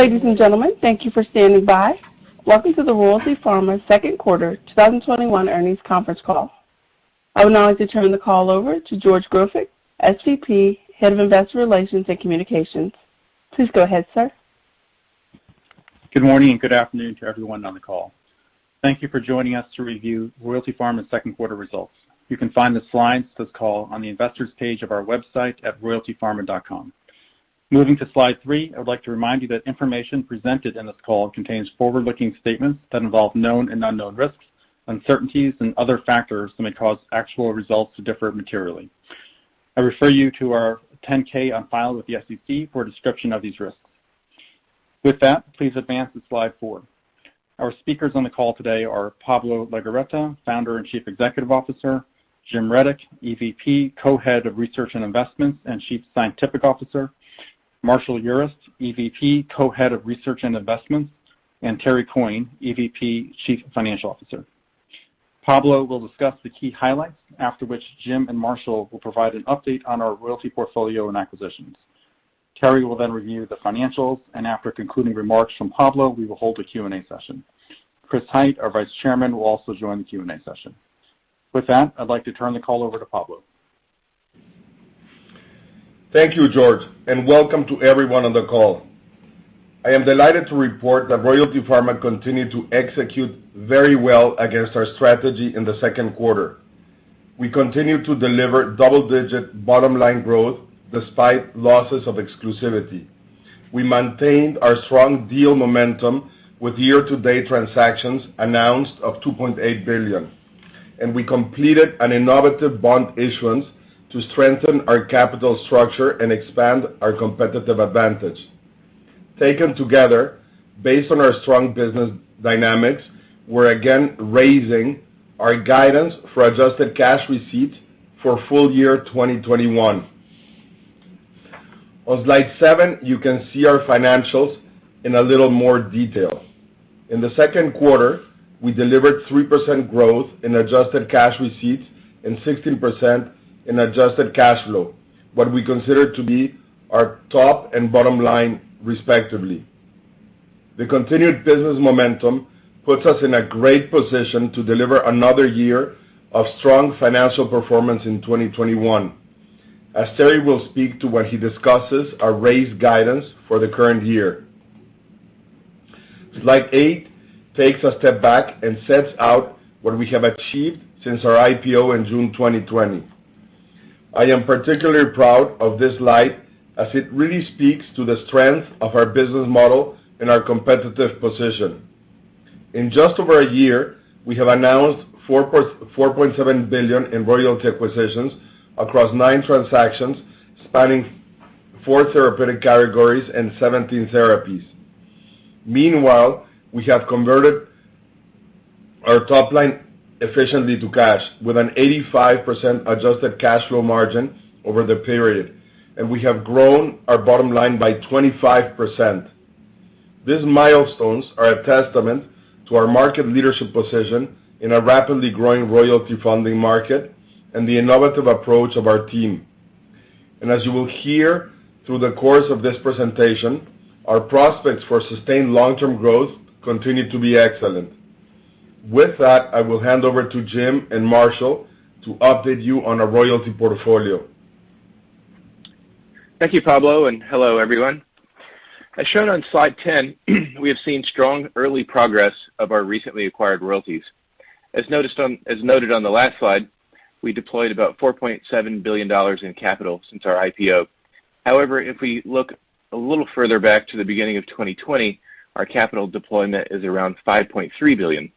Ladies and gentlemen, thank you for standing by. Welcome to the Royalty Pharma Second Quarter 2021 Earnings Conference Call. I would now like to turn the call over to George Grofik, SVP, Head of Investor Relations and Communications. Please go ahead, sir. Good morning, and good afternoon to everyone on the call. Thank you for joining us to review Royalty Pharma's second quarter results. You can find the slides of this call on the investors page of our website at royaltypharma.com. Moving to slide 3, I would like to remind you that information presented in this call contains forward-looking statements that involve known and unknown risks, uncertainties, and other factors that may cause actual results to differ materially. I refer you to our 10-K on file with the SEC for a description of these risks. With that, please advance to slide 4. Our speakers on the call today are Pablo Legorreta, Founder and Chief Executive Officer, Jim Reddoch, EVP, Co-head of Research and Investments, and Chief Scientific Officer, Marshall Urist, EVP, Co-head of Research and Investments, and Terrance Coyne, EVP, Chief Financial Officer. Pablo will discuss the key highlights, after which Jim and Marshall will provide an update on our royalty portfolio and acquisitions. Terry will then review the financials, and after concluding remarks from Pablo, we will hold a Q&A session. Chris Hite, our Vice Chairman, will also join the Q&A session. With that, I'd like to turn the call over to Pablo. Thank you, George, welcome to everyone on the call. I am delighted to report that Royalty Pharma continued to execute very well against our strategy in the second quarter. We continued to deliver double-digit bottom-line growth despite losses of exclusivity. We maintained our strong deal momentum with year-to-date transactions announced of $2.8 billion, and we completed an innovative bond issuance to strengthen our capital structure and expand our competitive advantage. Taken together, based on our strong business dynamics, we're again raising our guidance for Adjusted Cash Receipts for full year 2021. On slide 7, you can see our financials in a little more detail. In the second quarter, we delivered 3% growth in Adjusted Cash Receipts and 16% in Adjusted Cash Flow, what we consider to be our top and bottom line, respectively. The continued business momentum puts us in a great position to deliver another year of strong financial performance in 2021, as Terry will speak to when he discusses our raised guidance for the current year. Slide 8 takes a step back and sets out what we have achieved since our IPO in June 2020. I am particularly proud of this slide as it really speaks to the strength of our business model and our competitive position. In just over a year, we have announced $4.7 billion in royalty acquisitions across 9 transactions spanning 4 therapeutic categories and 17 therapies. Meanwhile, we have converted our top line efficiently to cash with an 85% Adjusted Cash Flow margin over the period, and we have grown our bottom line by 25%. These milestones are a testament to our market leadership position in a rapidly growing royalty funding market and the innovative approach of our team. As you will hear through the course of this presentation, our prospects for sustained long-term growth continue to be excellent. With that, I will hand over to Jim and Marshall to update you on our royalty portfolio. Thank you, Pablo, and hello, everyone. As shown on slide 10, we have seen strong early progress of our recently acquired royalties. As noted on the last slide, we deployed about $4.7 billion in capital since our IPO. If we look a little further back to the beginning of 2020, our capital deployment is around $5.3 billion.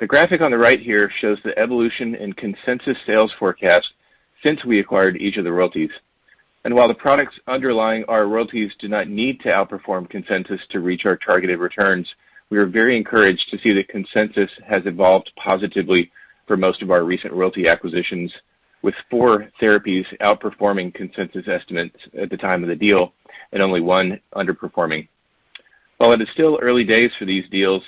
The graphic on the right here shows the evolution and consensus sales forecast since we acquired each of the royalties. While the products underlying our royalties do not need to outperform consensus to reach our targeted returns, we are very encouraged to see that consensus has evolved positively for most of our recent royalty acquisitions, with four therapies outperforming consensus estimates at the time of the deal and only one underperforming. While it is still early days for these deals,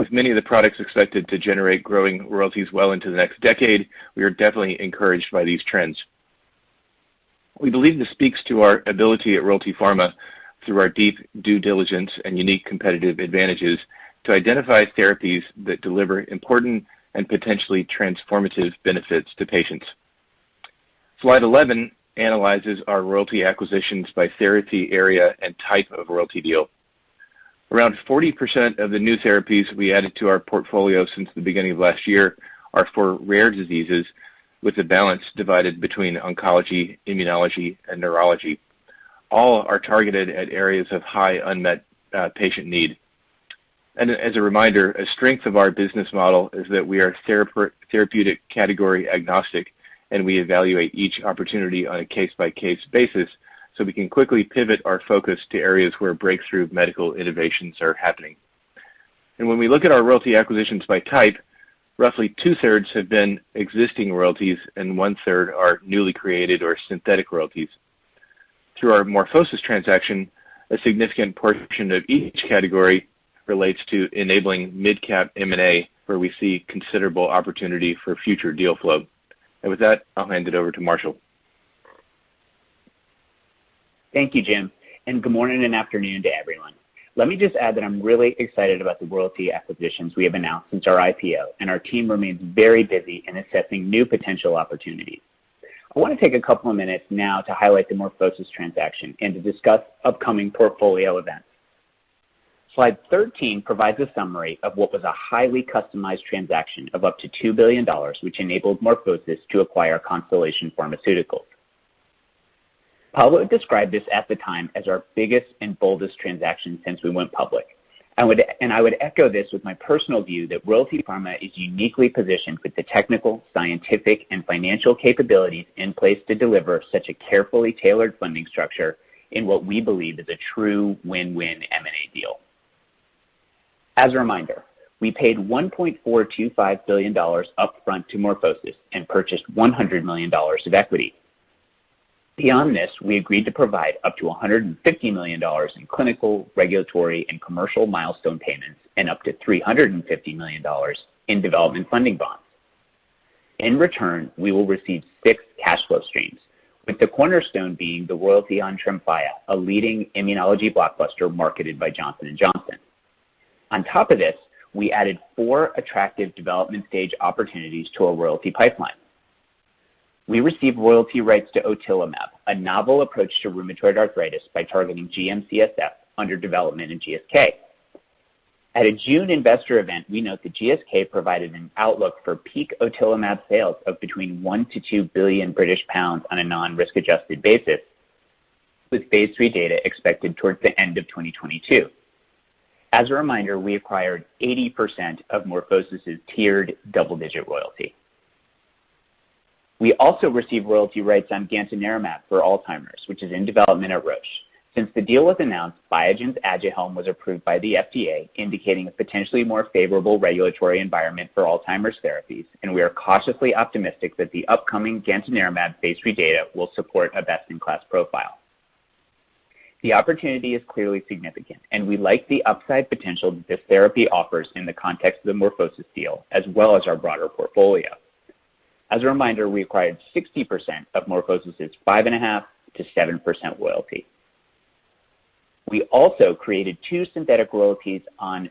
with many of the products expected to generate growing royalties well into the next decade, we are definitely encouraged by these trends. We believe this speaks to our ability at Royalty Pharma, through our deep due diligence and unique competitive advantages, to identify therapies that deliver important and potentially transformative benefits to patients. Slide 11 analyzes our royalty acquisitions by therapy area and type of royalty deal. Around 40% of the new therapies we added to our portfolio since the beginning of last year are for rare diseases, with the balance divided between oncology, immunology, and neurology. All are targeted at areas of high unmet patient need. As a reminder, a strength of our business model is that we are therapeutic category agnostic, and we evaluate each opportunity on a case-by-case basis, so we can quickly pivot our focus to areas where breakthrough medical innovations are happening. When we look at our royalty acquisitions by type, roughly 2/3 have been existing royalties, and 1/3 are newly created or synthetic royalties. Through our MorphoSys transaction, a significant portion of each category relates to enabling mid-cap M&A, where we see considerable opportunity for future deal flow. With that, I'll hand it over to Marshall. Thank you, Jim. Good morning and afternoon to everyone. Let me just add that I'm really excited about the royalty acquisitions we have announced since our IPO, and our team remains very busy in assessing new potential opportunities. I want to take a couple of minutes now to highlight the MorphoSys transaction and to discuss upcoming portfolio events. Slide 13 provides a summary of what was a highly customized transaction of up to $2 billion, which enabled MorphoSys to acquire Constellation Pharmaceuticals. Pablo described this at the time as our biggest and boldest transaction since we went public. I would echo this with my personal view that Royalty Pharma is uniquely positioned with the technical, scientific, and financial capabilities in place to deliver such a carefully tailored funding structure in what we believe is a true win-win M&A deal. As a reminder, we paid $1.425 billion upfront to MorphoSys and purchased $100 million of equity. Beyond this, we agreed to provide up to $150 million in clinical, regulatory, and commercial milestone payments and up to $350 million in development funding bonds. In return, we will receive 6 cash flow streams, with the cornerstone being the royalty on TREMFYA, a leading immunology blockbuster marketed by Johnson & Johnson. On top of this, we added 4 attractive development stage opportunities to our royalty pipeline. We received royalty rights to otilimab, a novel approach to rheumatoid arthritis by targeting GM-CSF under development in GSK. At a June investor event, we note that GSK provided an outlook for peak otilimab sales of between 1 billion-2 billion British pounds on a non-risk adjusted basis, with phase III data expected towards the end of 2022. As a reminder, we acquired 80% of MorphoSys' tiered double-digit royalty. We also received royalty rights on gantenerumab for Alzheimer's, which is in development at Roche. Since the deal was announced, Biogen's ADUHELM was approved by the FDA, indicating a potentially more favorable regulatory environment for Alzheimer's therapies, and we are cautiously optimistic that the upcoming gantenerumab phase III data will support a best-in-class profile. The opportunity is clearly significant, and we like the upside potential that this therapy offers in the context of the MorphoSys deal, as well as our broader portfolio. As a reminder, we acquired 60% of MorphoSys' 5.5%-7% royalty. We also created 2 synthetic royalties on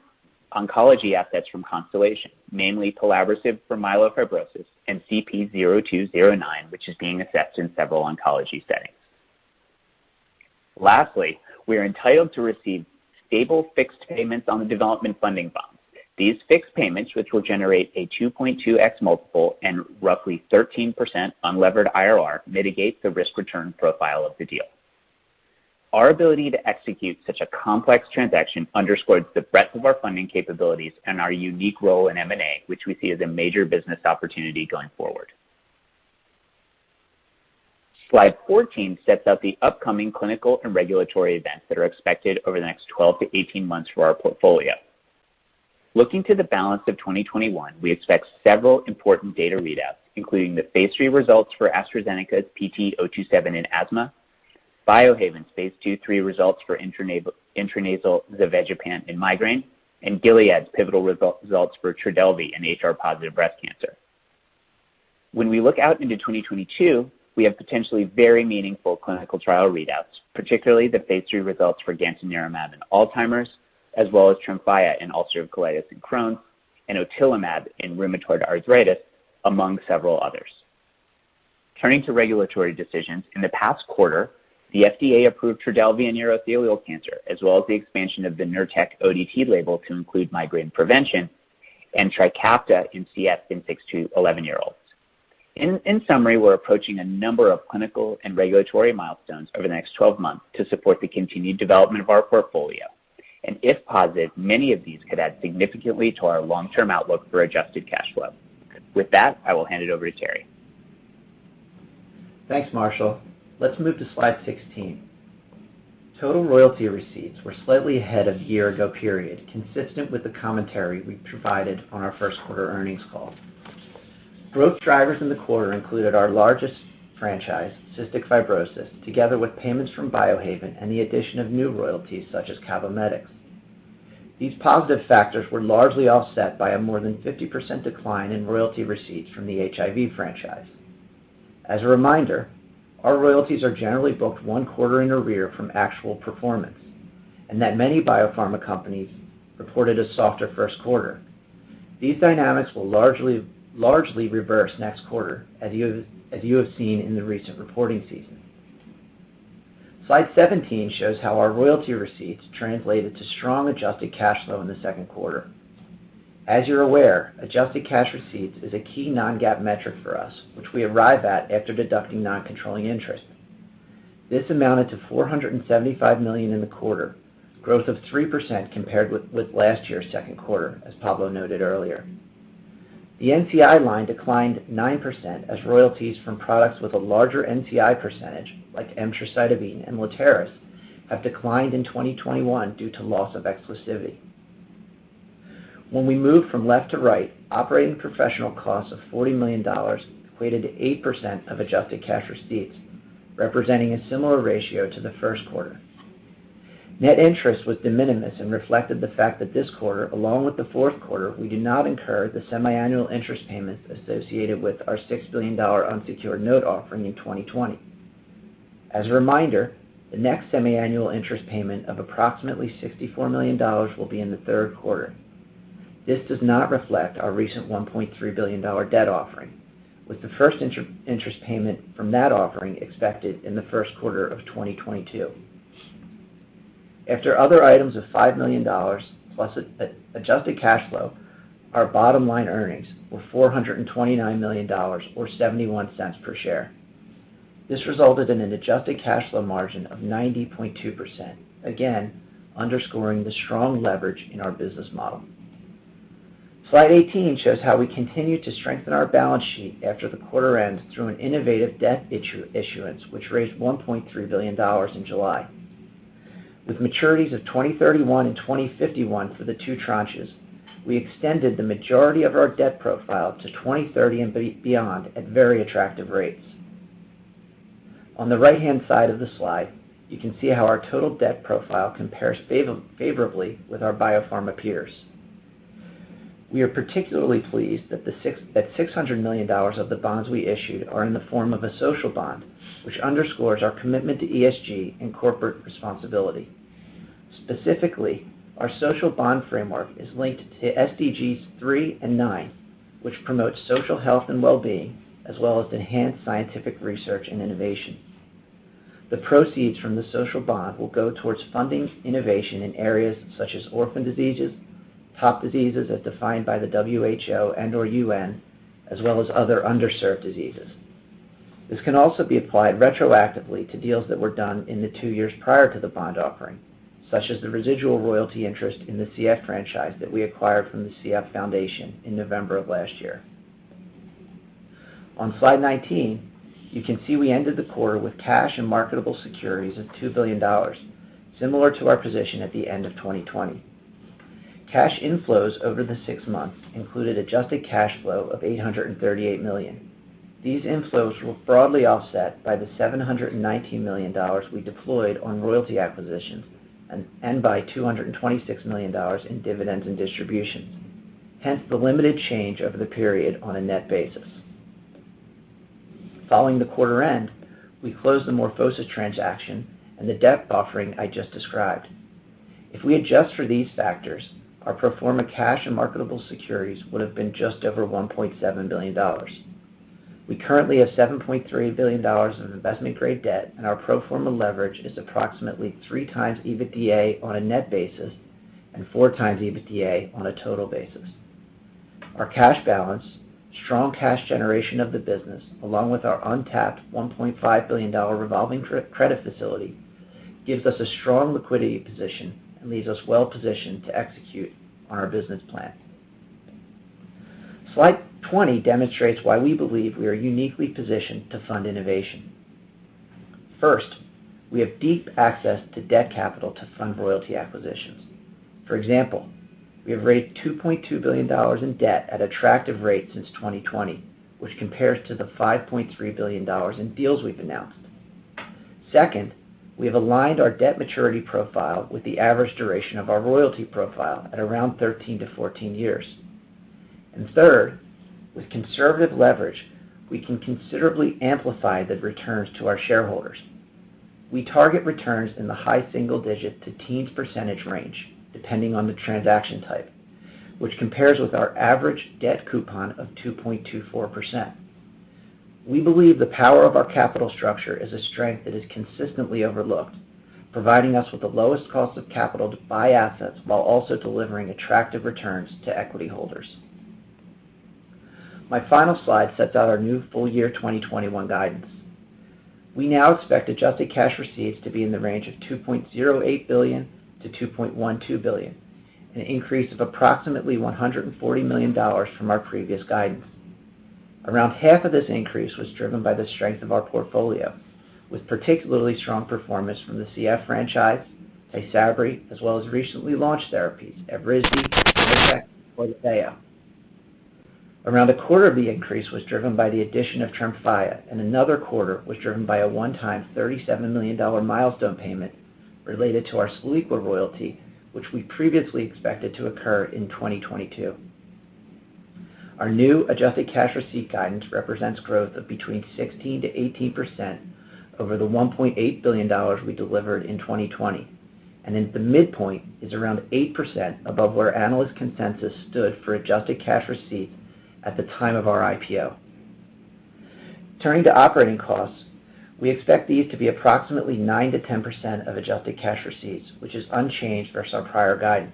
oncology assets from Constellation, mainly pelabresib for myelofibrosis and CPI-0209, which is being assessed in several oncology settings. Lastly, we are entitled to receive stable fixed payments on the development funding bonds. These fixed payments, which will generate a 2.2x multiple and roughly 13% unlevered IRR, mitigate the risk-return profile of the deal. Our ability to execute such a complex transaction underscores the breadth of our funding capabilities and our unique role in M&A, which we see as a major business opportunity going forward. Slide 14 sets out the upcoming clinical and regulatory events that are expected over the next 12 to 18 months for our portfolio. Looking to the balance of 2021, we expect several important data readouts, including the phase III results for AstraZeneca's PT027 in asthma, Biohaven's phase II/III results for intranasal zavegepant in migraine, and Gilead's pivotal results for TRODELVY in HR-positive breast cancer. When we look out into 2022, we have potentially very meaningful clinical trial readouts, particularly the phase III results for gantenerumab in Alzheimer's, as well as TREMFYA in ulcerative colitis and Crohn's, and otilimab in rheumatoid arthritis, among several others. Turning to regulatory decisions, in the past quarter, the FDA approved TRODELVY in urothelial cancer, as well as the expansion of the NURTEC ODT label to include migraine prevention and TRIKAFTA in CF in 6 to 11-year-olds. In summary, we're approaching a number of clinical and regulatory milestones over the next 12 months to support the continued development of our portfolio. If positive, many of these could add significantly to our long-term outlook for Adjusted Cash Flow. With that, I will hand it over to Terry. Thanks, Marshall. Let's move to slide 16. Total royalty receipts were slightly ahead of year-ago period, consistent with the commentary we provided on our first quarter earnings call. Growth drivers in the quarter included our largest franchise, cystic fibrosis, together with payments from Biohaven and the addition of new royalties such as CABOMETYX. These positive factors were largely offset by a more than 50% decline in royalty receipts from the HIV franchise. As a reminder, our royalties are generally booked one quarter in arrears from actual performance and that many biopharma companies reported a softer first quarter. These dynamics will largely reverse next quarter, as you have seen in the recent reporting season. Slide 17 shows how our royalty receipts translated to strong Adjusted Cash Flow in the second quarter. As you're aware, Adjusted Cash Receipts is a key non-GAAP metric for us, which we arrive at after deducting non-controlling interest. This amounted to $475 million in the quarter, growth of 3% compared with last year's second quarter, as Pablo noted earlier. The NCI line declined 9% as royalties from products with a larger NCI percentage, like emtricitabine and Atripla, have declined in 2021 due to loss of exclusivity. When we move from left to right, operating professional costs of $40 million equated to 8% of Adjusted Cash Receipts, representing a similar ratio to the first quarter. Net interest was de minimis and reflected the fact that this quarter, along with the fourth quarter, we did not incur the semiannual interest payments associated with our $6 billion unsecured note offering in 2020. As a reminder, the next semiannual interest payment of approximately $64 million will be in the third quarter. This does not reflect our recent $1.3 billion debt offering, with the 1st interest payment from that offering expected in the 1st quarter of 2022. After other items of $5 million plus Adjusted Cash Flow, our bottom line earnings were $429 million, or $0.71 per share. This resulted in an Adjusted Cash Flow margin of 90.2%, again, underscoring the strong leverage in our business model. Slide 18 shows how we continue to strengthen our balance sheet after the quarter end through an innovative debt issuance, which raised $1.3 billion in July. With maturities of 2031 and 2051 for the two tranches, we extended the majority of our debt profile to 2030 and beyond at very attractive rates. On the right-hand side of the slide, you can see how our total debt profile compares favorably with our Biopharma peers. We are particularly pleased that $600 million of the bonds we issued are in the form of a social bond, which underscores our commitment to ESG and corporate responsibility. Specifically, our social bond framework is linked to SDGs three and nine, which promote social health and wellbeing, as well as enhanced scientific research and innovation. The proceeds from the social bond will go towards funding innovation in areas such as orphan diseases, top diseases as defined by the WHO and/or UN, as well as other underserved diseases. This can also be applied retroactively to deals that were done in the two years prior to the bond offering, such as the residual royalty interest in the CF franchise that we acquired from the CF Foundation in November of last year. On slide 19, you can see we ended the quarter with cash and marketable securities of $2 billion, similar to our position at the end of 2020. Cash inflows over the six months included Adjusted Cash Flow of $838 million. These inflows were broadly offset by the $719 million we deployed on royalty acquisitions and by $226 million in dividends and distributions, hence the limited change over the period on a net basis. Following the quarter end, we closed the MorphoSys transaction and the debt offering I just described. If we adjust for these factors, our pro forma cash and marketable securities would have been just over $1.7 billion. We currently have $7.3 billion in investment-grade deb;.t, and our pro forma leverage is approximately three times EBITDA on a net basis and four times EBITDA on a total basis. Our cash balance, strong cash generation of the business, along with our untapped $1.5 billion revolving credit facility, gives us a strong liquidity position and leaves us well-positioned to execute on our business plan. Slide 20 demonstrates why we believe we are uniquely positioned to fund innovation. First, we have deep access to debt capital to fund royalty acquisitions. For example, we have raised $2.2 billion in debt at attractive rates since 2020, which compares to the $5.3 billion in deals we've announced. Second, we have aligned our debt maturity profile with the average duration of our royalty profile at around 13-14 years. Third, with conservative leverage, we can considerably amplify the returns to our shareholders. We target returns in the high single-digit to teens percentage range, depending on the transaction type, which compares with our average debt coupon of 2.24%. We believe the power of our capital structure is a strength that is consistently overlooked, providing us with the lowest cost of capital to buy assets while also delivering attractive returns to equity holders. My final slide sets out our new full-year 2021 guidance. We now expect Adjusted Cash Receipts to be in the range of $2.08 billion-$2.12 billion, an increase of approximately $140 million from our previous guidance. Around half of this increase was driven by the strength of our portfolio, with particularly strong performance from the CF franchise, TYSABRI, as well as recently launched therapies, Evrysdi, Tazverik, and Orladeyo. Around a quarter of the increase was driven by the addition of TREMFYA, and another quarter was driven by a one-time $37 million milestone payment related to our SGLYCR royalty, which we previously expected to occur in 2022. Our new Adjusted Cash Receipts guidance represents growth of between 16%-18% over the $1.8 billion we delivered in 2020, and at the midpoint is around 8% above where analyst consensus stood for Adjusted Cash Receipts at the time of our IPO. Turning to operating costs, we expect these to be approximately 9%-10% of Adjusted Cash Receipts, which is unchanged for some prior guidance.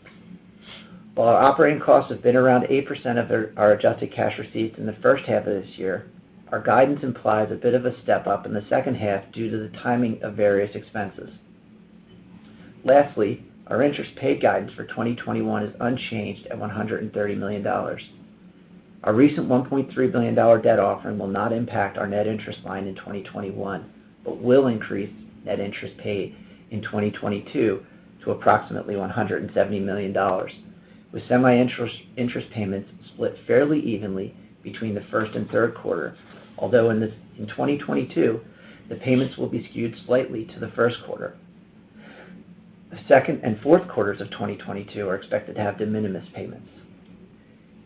While our operating costs have been around 8% of our Adjusted Cash Receipts in the first half of this year, our guidance implies a bit of a step-up in the second half due to the timing of various expenses. Lastly, our interest paid guidance for 2021 is unchanged at $130 million. Our recent $1.3 billion debt offering will not impact our net interest line in 2021, but will increase net interest paid in 2022 to approximately $170 million. With semi-interest payments split fairly evenly between the first and third quarter. Although in 2022, the payments will be skewed slightly to the first quarter. The second and fourth quarters of 2022 are expected to have de minimis payments.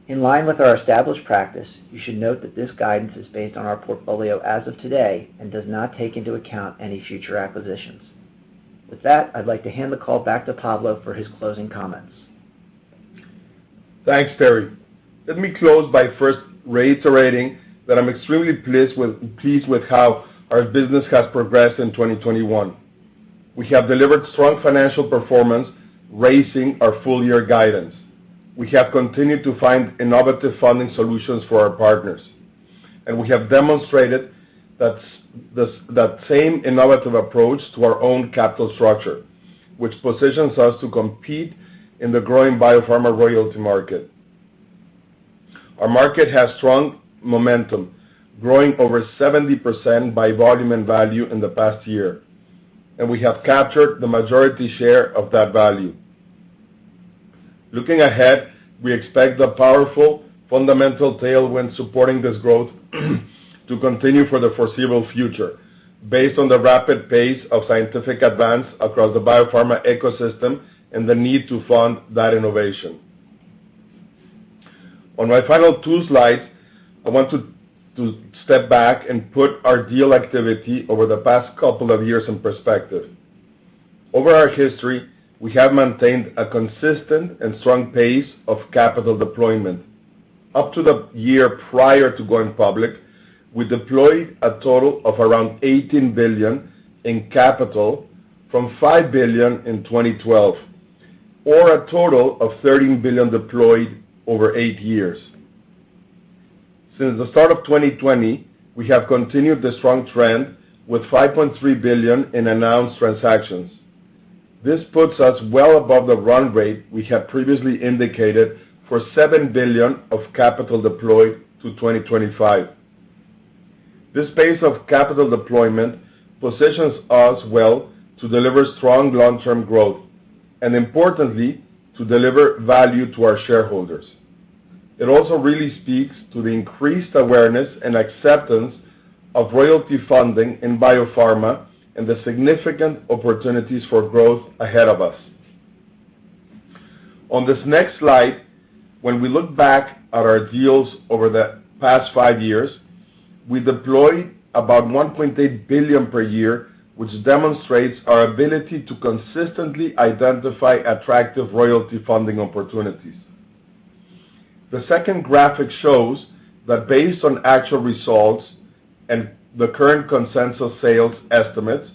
In line with our established practice, you should note that this guidance is based on our portfolio as of today and does not take into account any future acquisitions. With that, I'd like to hand the call back to Pablo for his closing comments. Thanks, Terry. Let me close by first reiterating that I'm extremely pleased with how our business has progressed in 2021. We have delivered strong financial performance, raising our full-year guidance. We have continued to find innovative funding solutions for our partners, we have demonstrated that same innovative approach to our own capital structure, which positions us to compete in the growing Biopharma Royalty Pharma market. Our market has strong momentum, growing over 70% by volume and value in the past year, and we have captured the majority share of that value. Looking ahead, we expect the powerful fundamental tailwind supporting this growth to continue for the foreseeable future based on the rapid pace of scientific advance across the biopharma ecosystem and the need to fund that innovation. On my final two slides, I want to step back and put our deal activity over the past couple of years in perspective. Over our history, we have maintained a consistent and strong pace of capital deployment. Up to the year prior to going public, we deployed a total of around $18 billion in capital from $5 billion in 2012, or a total of $30 billion deployed over eight years. Since the start of 2020, we have continued the strong trend with $5.3 billion in announced transactions. This puts us well above the run rate we have previously indicated for $7 billion of capital deployed to 2025. This pace of capital deployment positions us well to deliver strong long-term growth and importantly, to deliver value to our shareholders. It also really speaks to the increased awareness and acceptance of royalty funding in biopharma and the significant opportunities for growth ahead of us. On this next slide, when we look back at our deals over the past five years, we deployed about $1.8 billion per year, which demonstrates our ability to consistently identify attractive royalty funding opportunities. The second graphic shows that based on actual results and the current consensus sales estimates,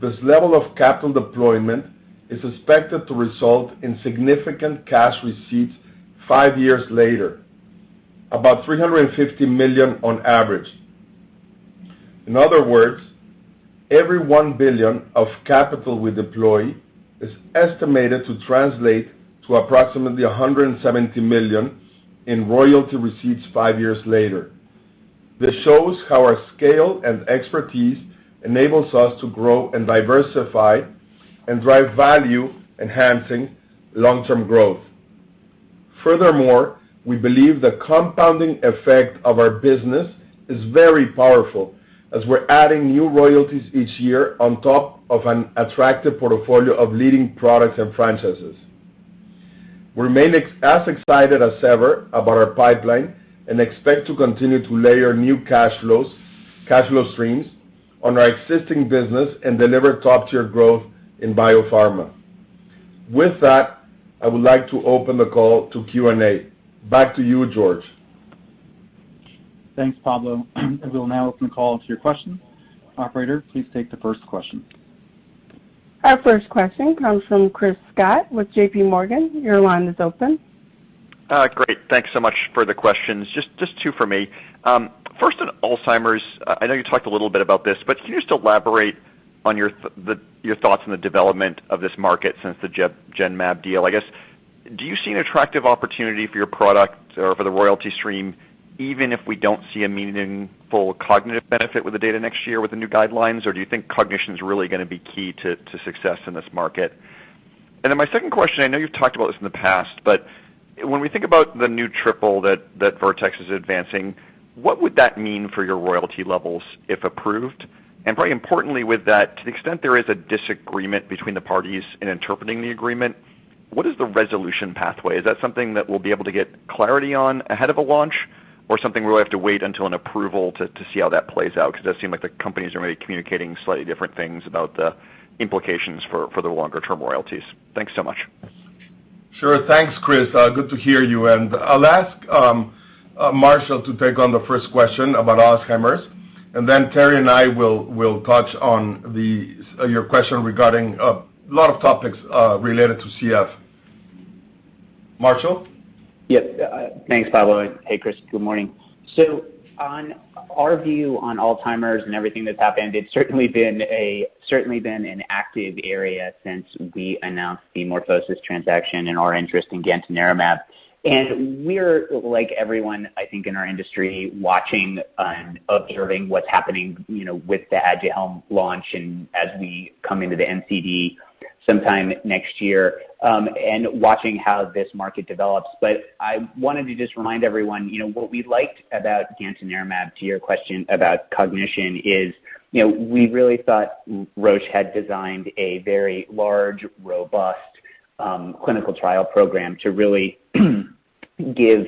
this level of capital deployment is expected to result in significant cash receipts five years later, about $350 million on average. In other words, every $1 billion of capital we deploy is estimated to translate to approximately $170 million in royalty receipts five years later. This shows how our scale and expertise enables us to grow and diversify and drive value, enhancing long-term growth. Furthermore, we believe the compounding effect of our business is very powerful as we're adding new royalties each year on top of an attractive portfolio of leading products and franchises. We remain as excited as ever about our pipeline and expect to continue to layer new cash flow streams on our existing business and deliver top-tier growth in biopharma. With that, I would like to open the call to Q&A. Back to you, George. Thanks, Pablo. We'll now open the call to your questions. Operator, please take the first question. Our first question comes from Chris Schott with J.P. Morgan. Your line is open. Great. Thanks so much for the questions. Just two from me. First on Alzheimer's, I know you talked a little bit about this, but can you just elaborate on your thoughts on the development of this market since the Genmab deal? I guess, do you see an attractive opportunity for your product or for the royalty stream, even if we don't see a meaningful cognitive benefit with the data next year with the new guidelines? Do you think cognition's really going to be key to success in this market? My second question, I know you've talked about this in the past, but when we think about the new triple that Vertex is advancing, what would that mean for your royalty levels if approved? Probably importantly with that, to the extent there is a disagreement between the parties in interpreting the agreement, what is the resolution pathway? Is that something that we'll be able to get clarity on ahead of a launch or something we'll have to wait until an approval to see how that plays out, because it does seem like the companies are maybe communicating slightly different things about the implications for the longer-term royalties? Thanks so much. Sure. Thanks, Chris. Good to hear you. I'll ask Marshall to take on the first question about Alzheimer's, and then Terry and I will touch on your question regarding a lot of topics related to CF. Marshall? Yes. Thanks, Pablo, and hey, Chris. Good morning. On our view on Alzheimer's and everything that's happened, it's certainly been an active area since we announced the MorphoSys transaction and our interest in gantenerumab. We're, like everyone, I think, in our industry, watching and observing what's happening with the ADUHELM launch and as we come into the NCD sometime next year, and watching how this market develops. I wanted to just remind everyone, what we liked about gantenerumab, to your question about cognition is, we really thought Roche had designed a very large, robust clinical trial program to really give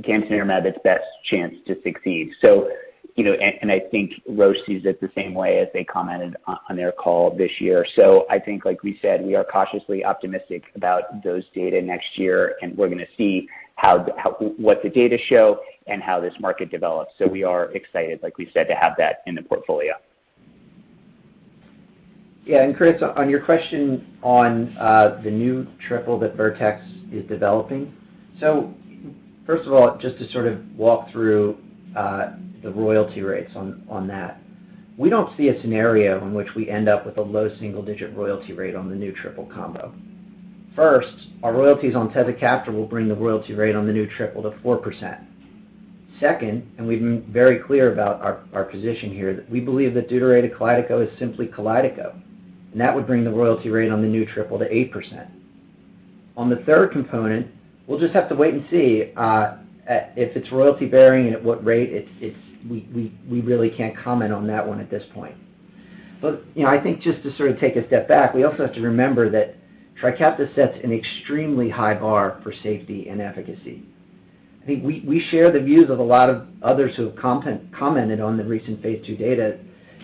gantenerumab its best chance to succeed. I think Roche sees it the same way as they commented on their call this year. I think, like we said, we are cautiously optimistic about those data next year, and we're going to see what the data show and how this market develops. We are excited, like we said, to have that in the portfolio. Yeah, Chris, on your question on the new triple that Vertex is developing. First of all, just to sort of walk through the royalty rates on that. We don't see a scenario in which we end up with a low single-digit royalty rate on the new triple combo. First, our royalties on tezacaftor will bring the royalty rate on the new triple to 4%. Second, we've been very clear about our position here, that we believe that deuterated KALYDECO is simply KALYDECO, and that would bring the royalty rate on the new triple to 8%. On the third component, we'll just have to wait and see if it's royalty-bearing and at what rate. We really can't comment on that one at this point. I think just to sort of take a step back, we also have to remember that TRIKAFTA sets an extremely high bar for safety and efficacy. I think we share the views of a lot of others who have commented on the recent phase II data.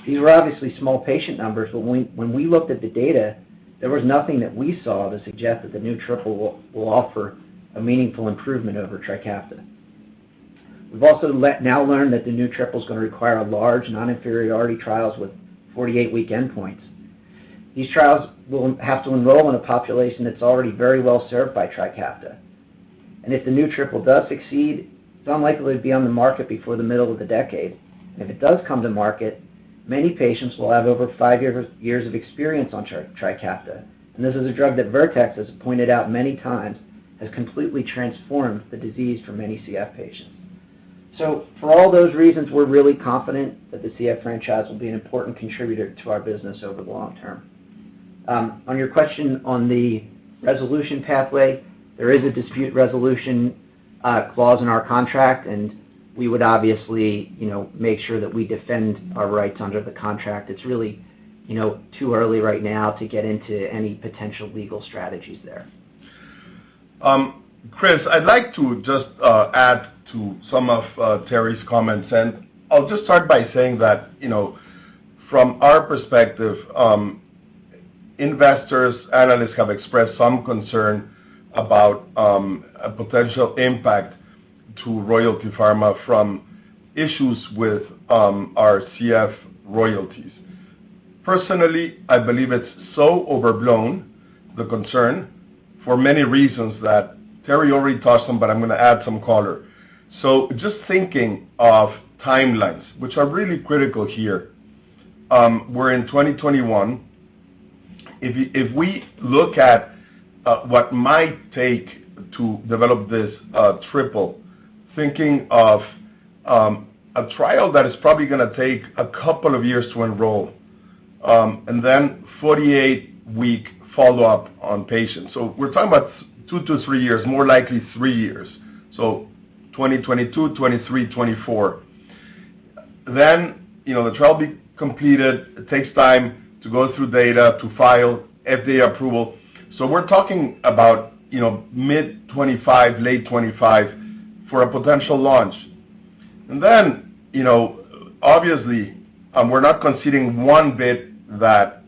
These were obviously small patient numbers, but when we looked at the data, there was nothing that we saw to suggest that the new triple will offer a meaningful improvement over TRIKAFTA. We've also now learned that the new triple's going to require large non-inferiority trials with 48-week endpoints. These trials will have to enroll in a population that's already very well served by TRIKAFTA. If the new triple does succeed, it's unlikely to be on the market before the middle of the decade. If it does come to market, many patients will have over five years of experience on TRIKAFTA. This is a drug that Vertex has pointed out many times has completely transformed the disease for many CF patients. For all those reasons, we're really confident that the CF franchise will be an important contributor to our business over the long term. On your question on the resolution pathway, there is a dispute resolution clause in our contract, and we would obviously make sure that we defend our rights under the contract. It's really too early right now to get into any potential legal strategies there. Chris, I'd like to just add to some of Terry's comments. I'll just start by saying that from our perspective, investors, analysts have expressed some concern about a potential impact to Royalty Pharma from issues with our CF royalties. Personally, I believe it's so overblown, the concern, for many reasons that Terry already touched on. I'm going to add some color. Just thinking of timelines, which are really critical here. We're in 2021. If we look at what might take to develop this triple, thinking of a trial that is probably going to take 2 years to enroll, and then 48-week follow-up on patients. We're talking about 2-3 years, more likely three years. 2022, 2023, 2024. The trial be completed. It takes time to go through data to file FDA approval. We're talking about mid-2025, late 2025 for a potential launch. Then, obviously, we're not conceding one bit that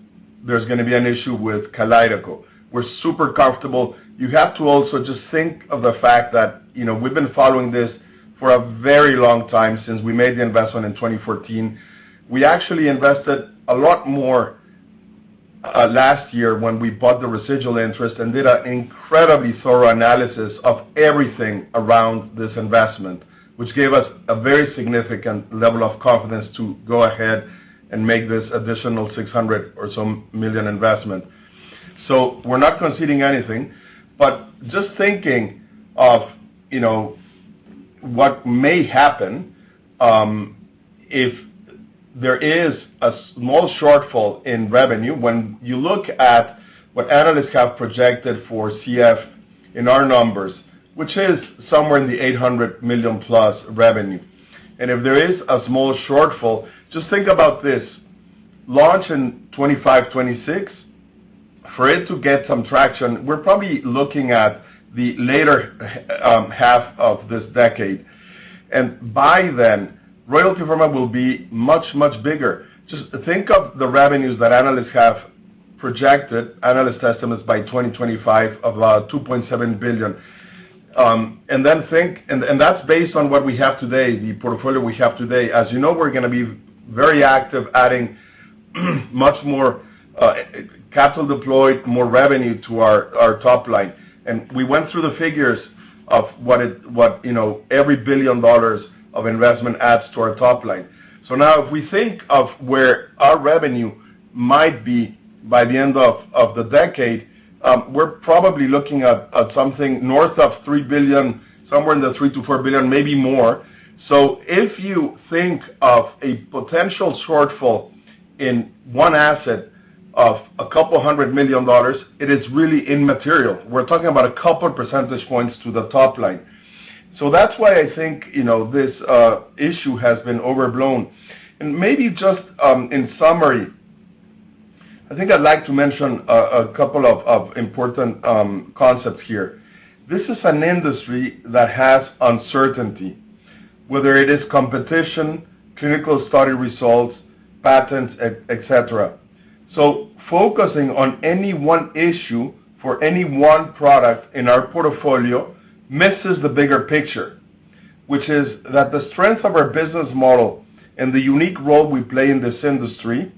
there's gonna be an issue with KALYDECO. We're super comfortable. You have to also just think of the fact that we've been following this for a very long time, since we made the investment in 2014. We actually invested a lot more last year when we bought the residual interest and did an incredibly thorough analysis of everything around this investment, which gave us a very significant level of confidence to go ahead and make this additional $600 million investment. We're not conceding anything, but just thinking of what may happen, if there is a small shortfall in revenue, when you look at what analysts have projected for CF in our numbers, which is somewhere in the $800 million plus revenue. If there is a small shortfall, just think about this, launch in 2025, 2026. For it to get some traction, we're probably looking at the later half of this decade. By then, Royalty Pharma will be much, much bigger. Just think of the revenues that analysts have projected, analyst estimates by 2025 of $2.7 billion. That's based on what we have today, the portfolio we have today. As you know, we're gonna be very active adding much more capital deployed, more revenue to our top line. We went through the figures of what every $1 billion of investment adds to our top line. Now if we think of where our revenue might be by the end of the decade, we're probably looking at something north of $3 billion, somewhere in the $3 billion-$4 billion, maybe more. If you think of a potential shortfall in one asset of a couple hundred million dollars, it is really immaterial. We're talking about a couple percentage points to the top line. That's why I think this issue has been overblown. Maybe just in summary, I think I'd like to mention a couple of important concepts here. This is an industry that has uncertainty, whether it is competition, clinical study results, patents, et cetera. Focusing on any one issue for any one product in our portfolio misses the bigger picture, which is that the strength of our business model and the unique role we play in this industry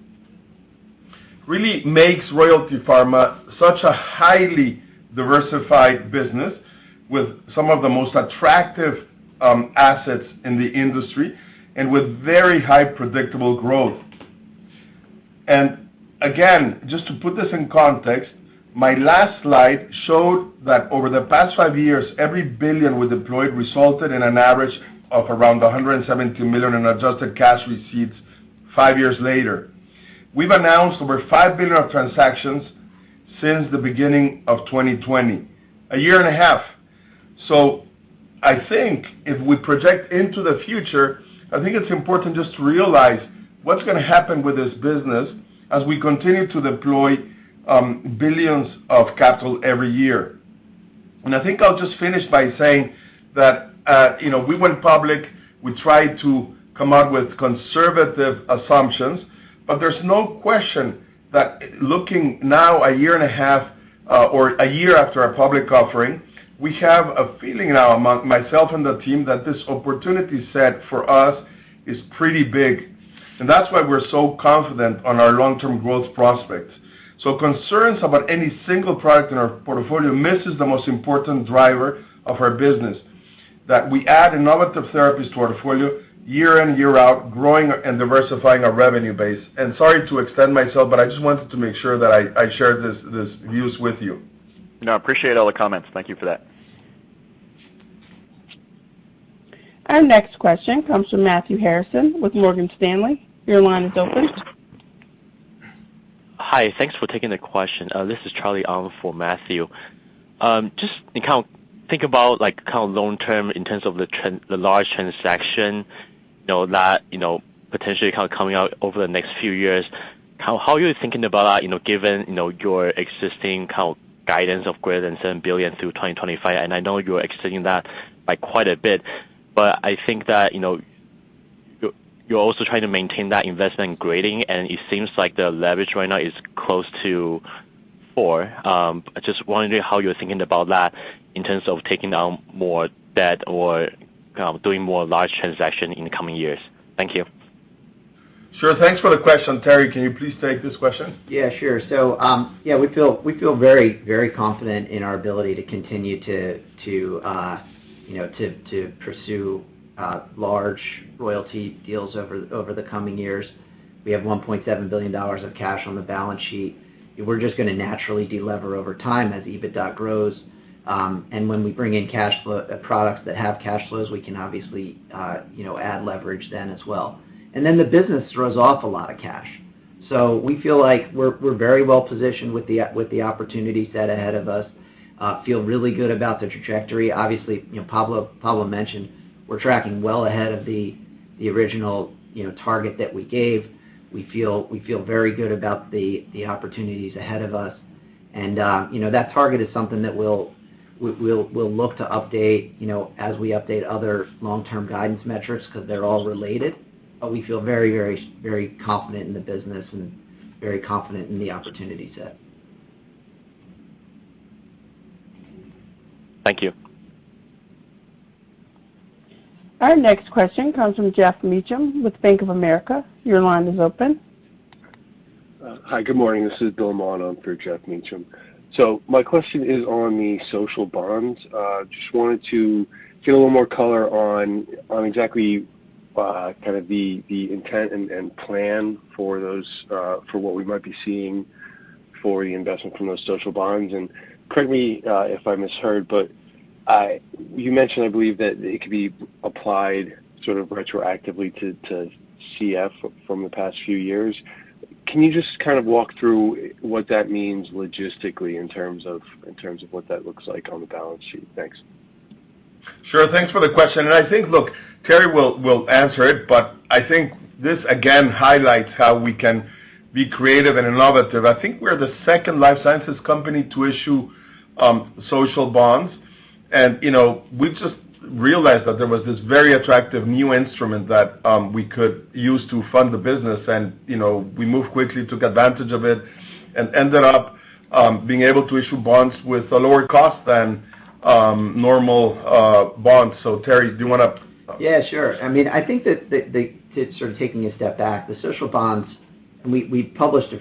really makes Royalty Pharma such a highly diversified business with some of the most attractive assets in the industry and with very high predictable growth. Again, just to put this in context, my last slide showed that over the past 5 years, every $1 billion we deployed resulted in an average of around $170 million in Adjusted Cash Receipts 5 years later. We've announced over $5 billion of transactions since the beginning of 2020, a year and a half. I think if we project into the future, I think it's important just to realize what's going to happen with this business as we continue to deploy billions of capital every year. I think I'll just finish by saying that we went public, we tried to come out with conservative assumptions, but there's no question that looking now a year and a half or a year after our public offering, we have a feeling now among myself and the team that this opportunity set for us is pretty big. That's why we're so confident on our long-term growth prospects. Concerns about any single product in our portfolio misses the most important driver of our business, that we add innovative therapies to our portfolio year in, year out, growing and diversifying our revenue base. Sorry to extend myself, but I just wanted to make sure that I shared these views with you. No, appreciate all the comments. Thank you for that. Our next question comes from Matthew Harrison with Morgan Stanley. Your line is open. Hi, thanks for taking the question. This is Charlie on for Matthew. Just think about long term in terms of the large transaction that potentially coming out over the next few years. How are you thinking about that given your existing guidance of greater than $7 billion through 2025? I know you're exceeding that by quite a bit, but I think that you're also trying to maintain that investment grading, and it seems like the leverage right now is close to 4. I'm just wondering how you're thinking about that in terms of taking down more debt or doing more large transaction in the coming years. Thank you. Sure. Thanks for the question. Terry, can you please take this question? Yeah, sure. We feel very confident in our ability to continue to pursue large royalty deals over the coming years. We have $1.7 billion of cash on the balance sheet. We're just going to naturally de-lever over time as EBITDA grows. When we bring in products that have cash flows, we can obviously add leverage then as well. The business throws off a lot of cash. We feel like we're very well positioned with the opportunity set ahead of us, feel really good about the trajectory. Obviously, Pablo mentioned we're tracking well ahead of the original target that we gave. We feel very good about the opportunities ahead of us. That target is something that we'll look to update as we update other long-term guidance metrics because they're all related. We feel very confident in the business and very confident in the opportunity set. Thank you. Our next question comes from Geoff Meacham with Bank of America. Your line is open. Hi, good morning. This is Bill Mann on for Geoff Meacham. My question is on the social bonds. Just wanted to get a little more color on exactly kind of the intent and plan for what we might be seeing for the investment from those social bonds. Correct me if I misheard, but you mentioned, I believe that it could be applied sort of retroactively to CF from the past few years. Can you just kind of walk through what that means logistically in terms of what that looks like on the balance sheet? Thanks. Sure. Thanks for the question. I think, look, Terry will answer it, but I think this again highlights how we can be creative and innovative. I think we're the second life sciences company to issue social bonds. We just realized that there was this very attractive new instrument that we could use to fund the business and we moved quickly, took advantage of it, and ended up being able to issue bonds with a lower cost than normal bonds. Terry, do you want to- Yeah, sure. I think that sort of taking a step back, the social bonds, we published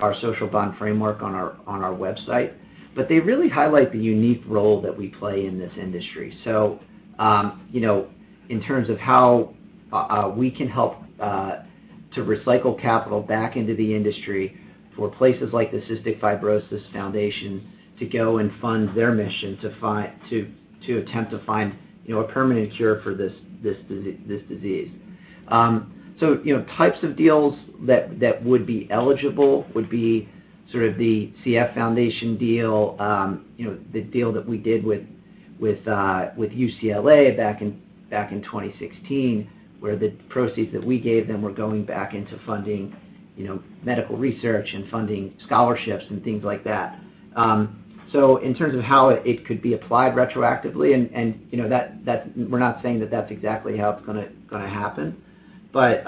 our social bond framework on our website, but they really highlight the unique role that we play in this industry. In terms of how we can help to recycle capital back into the industry for places like the Cystic Fibrosis Foundation to go and fund their mission to attempt to find a permanent cure for this disease. Types of deals that would be eligible would be sort of the CF Foundation deal, the deal that we did with UCLA back in 2016, where the proceeds that we gave them were going back into funding medical research and funding scholarships and things like that. In terms of how it could be applied retroactively, and we're not saying that that's exactly how it's going to happen, but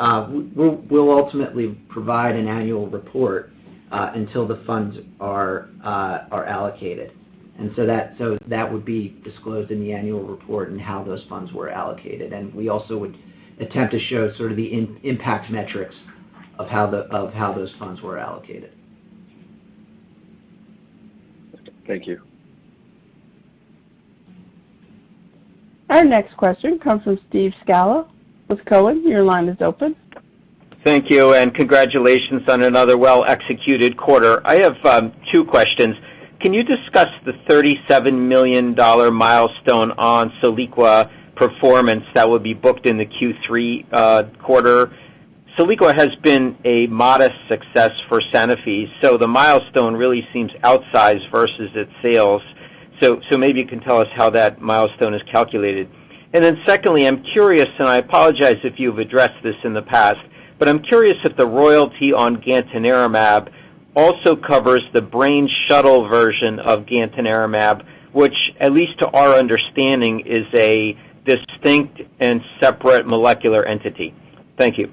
we'll ultimately provide an annual report until the funds are allocated. That would be disclosed in the annual report and how those funds were allocated. We also would attempt to show sort of the impact metrics of how those funds were allocated. Thank you. Our next question comes from Stephen Scala with Cowen. Your line is open. Thank you, and congratulations on another well-executed quarter. I have two questions. Can you discuss the $37 million milestone on SOLIQUA performance that would be booked in the Q3 quarter? SOLIQUA has been a modest success for Sanofi, the milestone really seems outsized versus its sales. Maybe you can tell us how that milestone is calculated. Secondly, I'm curious, and I apologize if you've addressed this in the past, but I'm curious if the royalty on gantenerumab also covers the brain shuttle version of gantenerumab, which, at least to our understanding, is a distinct and separate molecular entity. Thank you.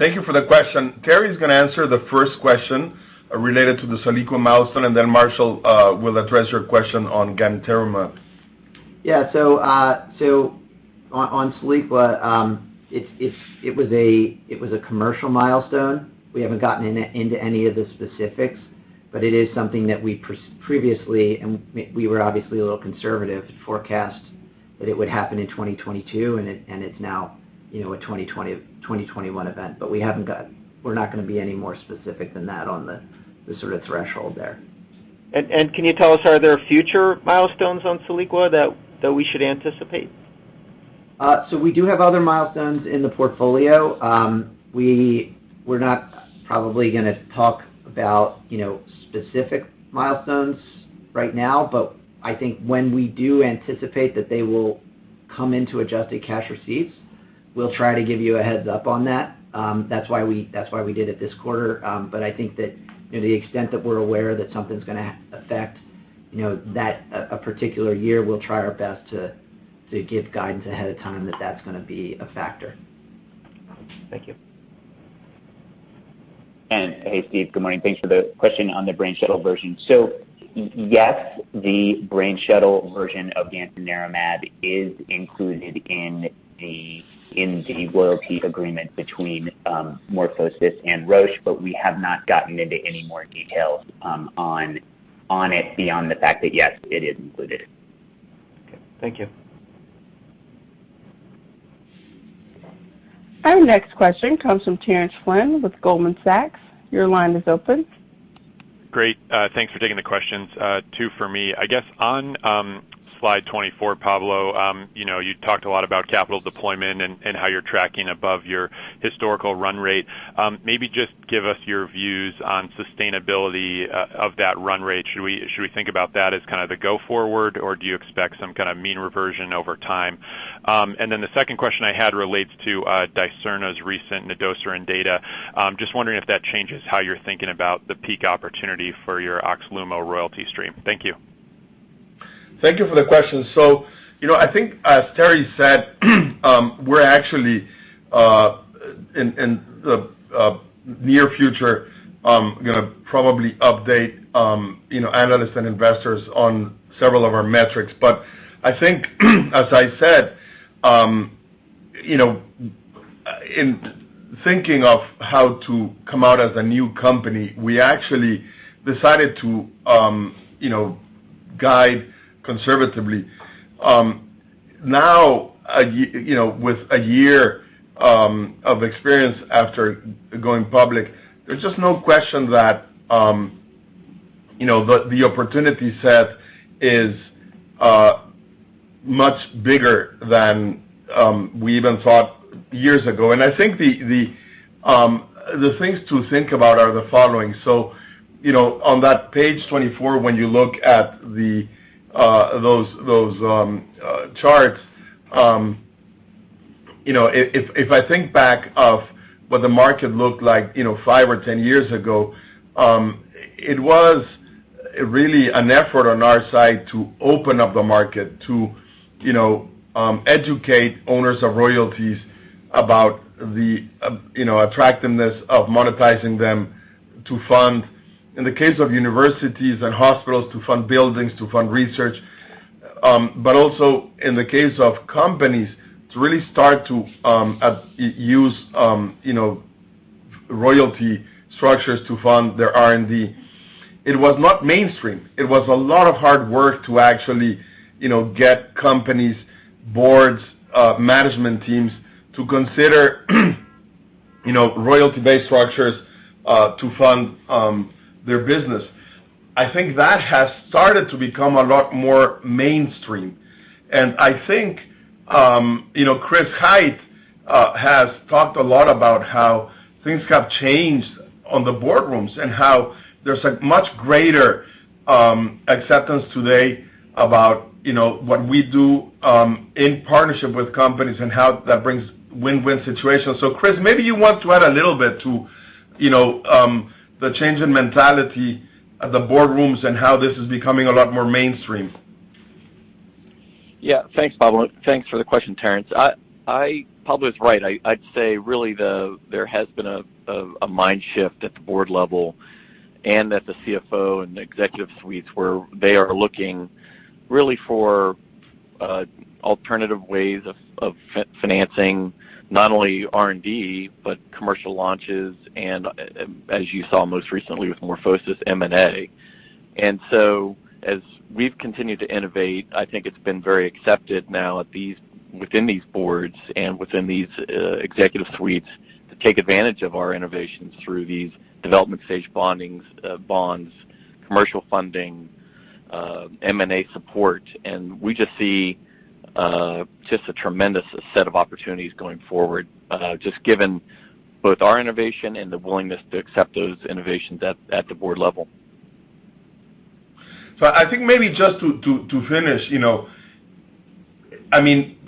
Thank you for the question. Terry's going to answer the first question related to the SOLIQUA milestone. Then Marshall will address your question on gantenerumab. Yeah. On SOLIQUA, it was a commercial milestone. We haven't gotten into any of the specifics, but it is something that we previously, and we were obviously a little conservative to forecast that it would happen in 2022, and it's now a 2021 event. We're not going to be any more specific than that on the sort of threshold there. Can you tell us, are there future milestones on SOLIQUA that we should anticipate? We do have other milestones in the portfolio. We're not probably going to talk about specific milestones right now. I think when we do anticipate that they will come into Adjusted Cash Receipts, we'll try to give you a heads-up on that. That's why we did it this quarter. I think that to the extent that we're aware that something's going to affect a particular year, we'll try our best to give guidance ahead of time that that's going to be a factor. Thank you. Hey, Steve, good morning. Thanks for the question on the brain shuttle version. Yes, the brain shuttle version of gantenerumab is included in the royalty agreement between MorphoSys and Roche, but we have not gotten into any more details on it beyond the fact that yes, it is included. Okay. Thank you. Our next question comes from Terence Flynn with Goldman Sachs. Your line is open. Great. Thanks for taking the questions. Two for me. I guess on slide 24, Pablo, you talked a lot about capital deployment and how you're tracking above your historical run rate. Maybe just give us your views on sustainability of that run rate. Should we think about that as kind of the go forward, or do you expect some kind of mean reversion over time? The second question I had relates to Dicerna's recent nedosiran data. Just wondering if that changes how you're thinking about the peak opportunity for your OXLUMO royalty stream. Thank you. Thank you for the question. I think, as Terry said, we're actually in the near future, going to probably update analysts and investors on several of our metrics. I think, as I said, in thinking of how to come out as a new company, we actually decided to guide conservatively. Now, with a year of experience after going public, there's just no question that the opportunity set is much bigger than we even thought years ago. I think the things to think about are the following. On that page 24, when you look at those charts, if I think back of what the market looked like five or 10 years ago, it was really an effort on our side to open up the market to educate owners of royalties about the attractiveness of monetizing them to fund, in the case of universities and hospitals, to fund buildings, to fund research. Also in the case of companies, to really start to use royalty structures to fund their R&D, it was not mainstream. It was a lot of hard work to actually get companies' boards, management teams to consider royalty-based structures to fund their business. I think that has started to become a lot more mainstream. I think, Chris Hite has talked a lot about how things have changed on the boardrooms, and how there's a much greater acceptance today about what we do in partnership with companies and how that brings win-win situations. Chris, maybe you want to add a little bit to the change in mentality of the boardrooms and how this is becoming a lot more mainstream. Yeah. Thanks, Pablo, and thanks for the question, Terence. Pablo is right. I'd say really, there has been a mind shift at the board level and at the CFO and executive suites where they are looking really for alternative ways of financing, not only R&D, but commercial launches and as you saw most recently with MorphoSys M&A. As we've continued to innovate, I think it's been very accepted now within these boards and within these executive suites to take advantage of our innovations through these development stage bonds, commercial funding, M&A support. We just see just a tremendous set of opportunities going forward, just given both our innovation and the willingness to accept those innovations at the board level. I think maybe just to finish,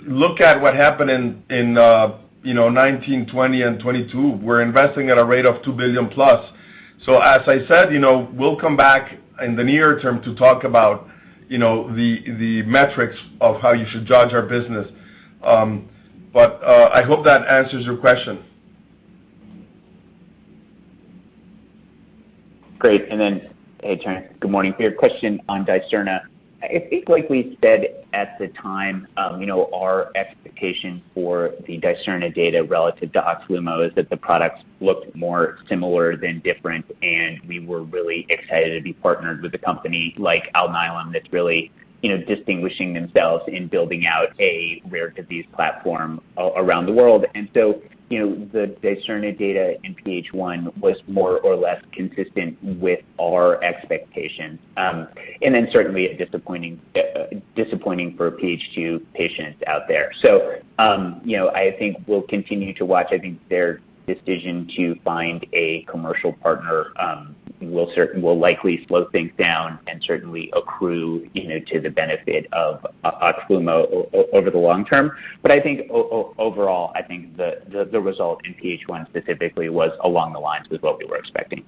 look at what happened in 2019, 2020, and 2022. We're investing at a rate of $2 billion plus. As I said, we'll come back in the near term to talk about the metrics of how you should judge our business. I hope that answers your question. Great. Hey, Terence, good morning. Your question on Dicerna, I think like we said at the time, our expectation for the Dicerna data relative to OXLUMO is that the products looked more similar than different, and we were really excited to be partnered with a company like Alnylam, that's really distinguishing themselves in building out a rare disease platform around the world. The Dicerna data in PH1 was more or less consistent with our expectations. Certainly disappointing for PH2 patients out there. I think we'll continue to watch. I think their decision to find a commercial partner will likely slow things down and certainly accrue to the benefit of OXLUMO over the long term. I think overall, I think the result in PH1 specifically was along the lines with what we were expecting.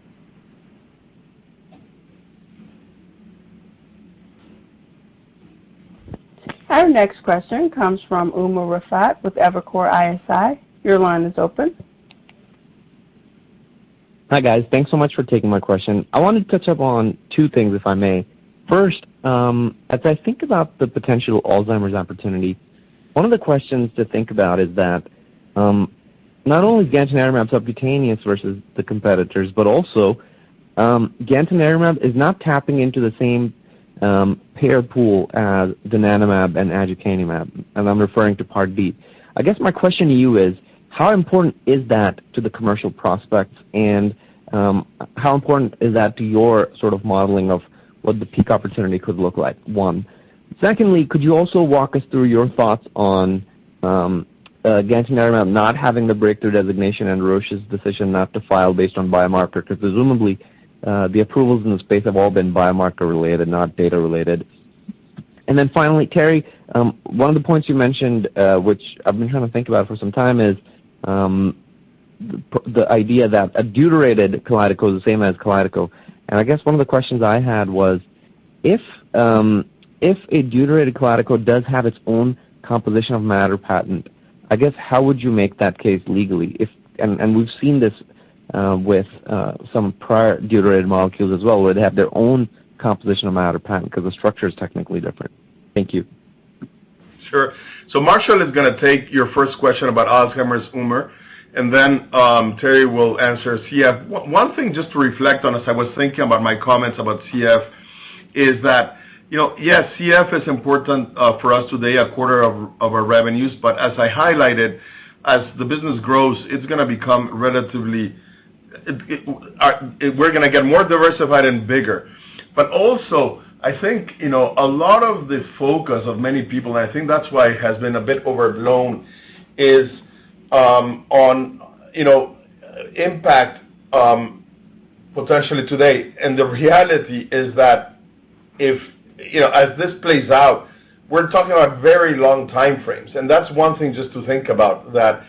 Our next question comes from Umer Raffat with Evercore ISI. Your line is open. Hi guys. Thanks so much for taking my question. I wanted to touch up on two things, if I may. First, as I think about the potential Alzheimer's opportunity, one of the questions to think about is that, not only is gantenerumab subcutaneous versus the competitors, but also gantenerumab is not tapping into the same payer pool as donanemab and aducanumab. I'm referring to Part B. I guess my question to you is how important is that to the commercial prospects and how important is that to your sort of modeling of what the peak opportunity could look like, one. Secondly, could you also walk us through your thoughts on gantenerumab not having the breakthrough designation and Roche's decision not to file based on biomarker? Presumably, the approvals in the space have all been biomarker related, not data related. Finally, Terry, one of the points you mentioned, which I've been trying to think about for some time, is the idea that a deuterated Calico is the same as KALYDECO. I guess one of the questions I had was, if a deuterated Calico does have its own composition of matter patent, I guess how would you make that case legally? We've seen this with some prior deuterated molecules as well, where they have their own composition of matter patent because the structure is technically different. Thank you. Sure. Marshall is going to take your first question about Alzheimer's, Umer, and then Terry will answer CF. One thing just to reflect on, as I was thinking about my comments about CF, is that, yes, CF is important for us today, a quarter of our revenues, but as I highlighted, as the business grows, we're going to get more diversified and bigger. Also, I think, a lot of the focus of many people, and I think that's why it has been a bit overblown, is on impact, potentially today. The reality is that as this plays out, we're talking about very long time frames. That's one thing just to think about, that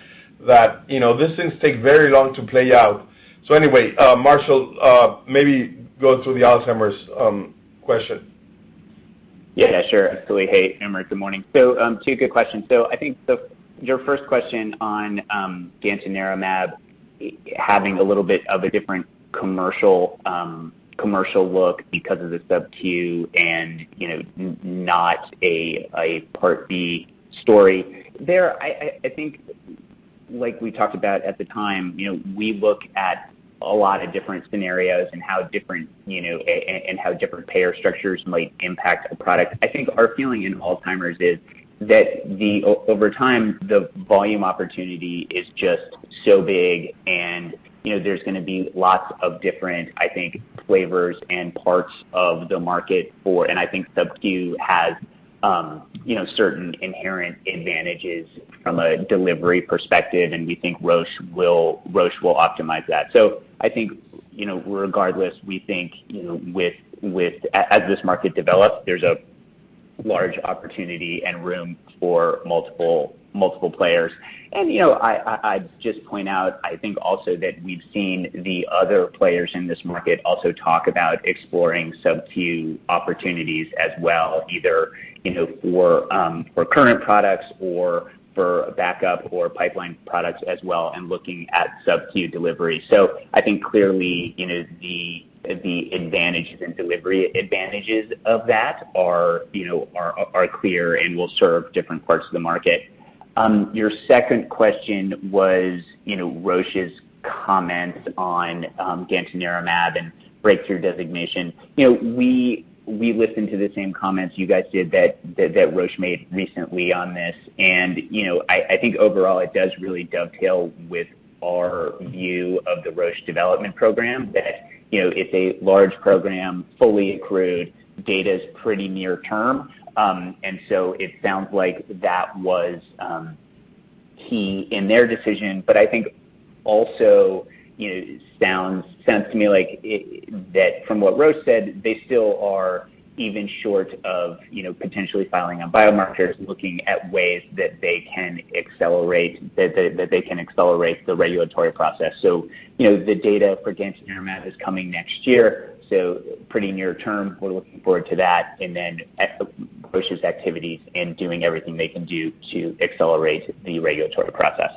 these things take very long to play out. Anyway, Marshall, maybe go through the Alzheimer's question. Yeah. Sure, absolutely. Hey, Umer. Good morning. Two good questions. I think your first question on gantenerumab having a little bit of a different commercial look because of the sub Q and not a Part B story. Like we talked about at the time, we look at a lot of different scenarios and how different payer structures might impact a product. I think our feeling in Alzheimer's is that over time, the volume opportunity is just so big and there's going to be lots of different, I think, flavors and parts of the market for. I think subcu has certain inherent advantages from a delivery perspective, and we think Roche will optimize that. I think, regardless, we think as this market develops, there's a large opportunity and room for multiple players. I just point out, I think also that we've seen the other players in this market also talk about exploring subcu opportunities as well, either for current products or for a backup or pipeline products as well, and looking at subcu delivery. Your second question was Roche's comments on gantenerumab and breakthrough designation. We listened to the same comments you guys did that Roche made recently on this. I think overall it does really dovetail with our view of the Roche development program that, it's a large program, fully accrued, data's pretty near term. It sounds like that was key in their decision. I think also, sense to me like, that from what Roche said, they still are even short of potentially filing on biomarkers, looking at ways that they can accelerate the regulatory process. The data for gantenerumab is coming next year, pretty near term. We're looking forward to that. At Roche's activities and doing everything they can do to accelerate the regulatory process.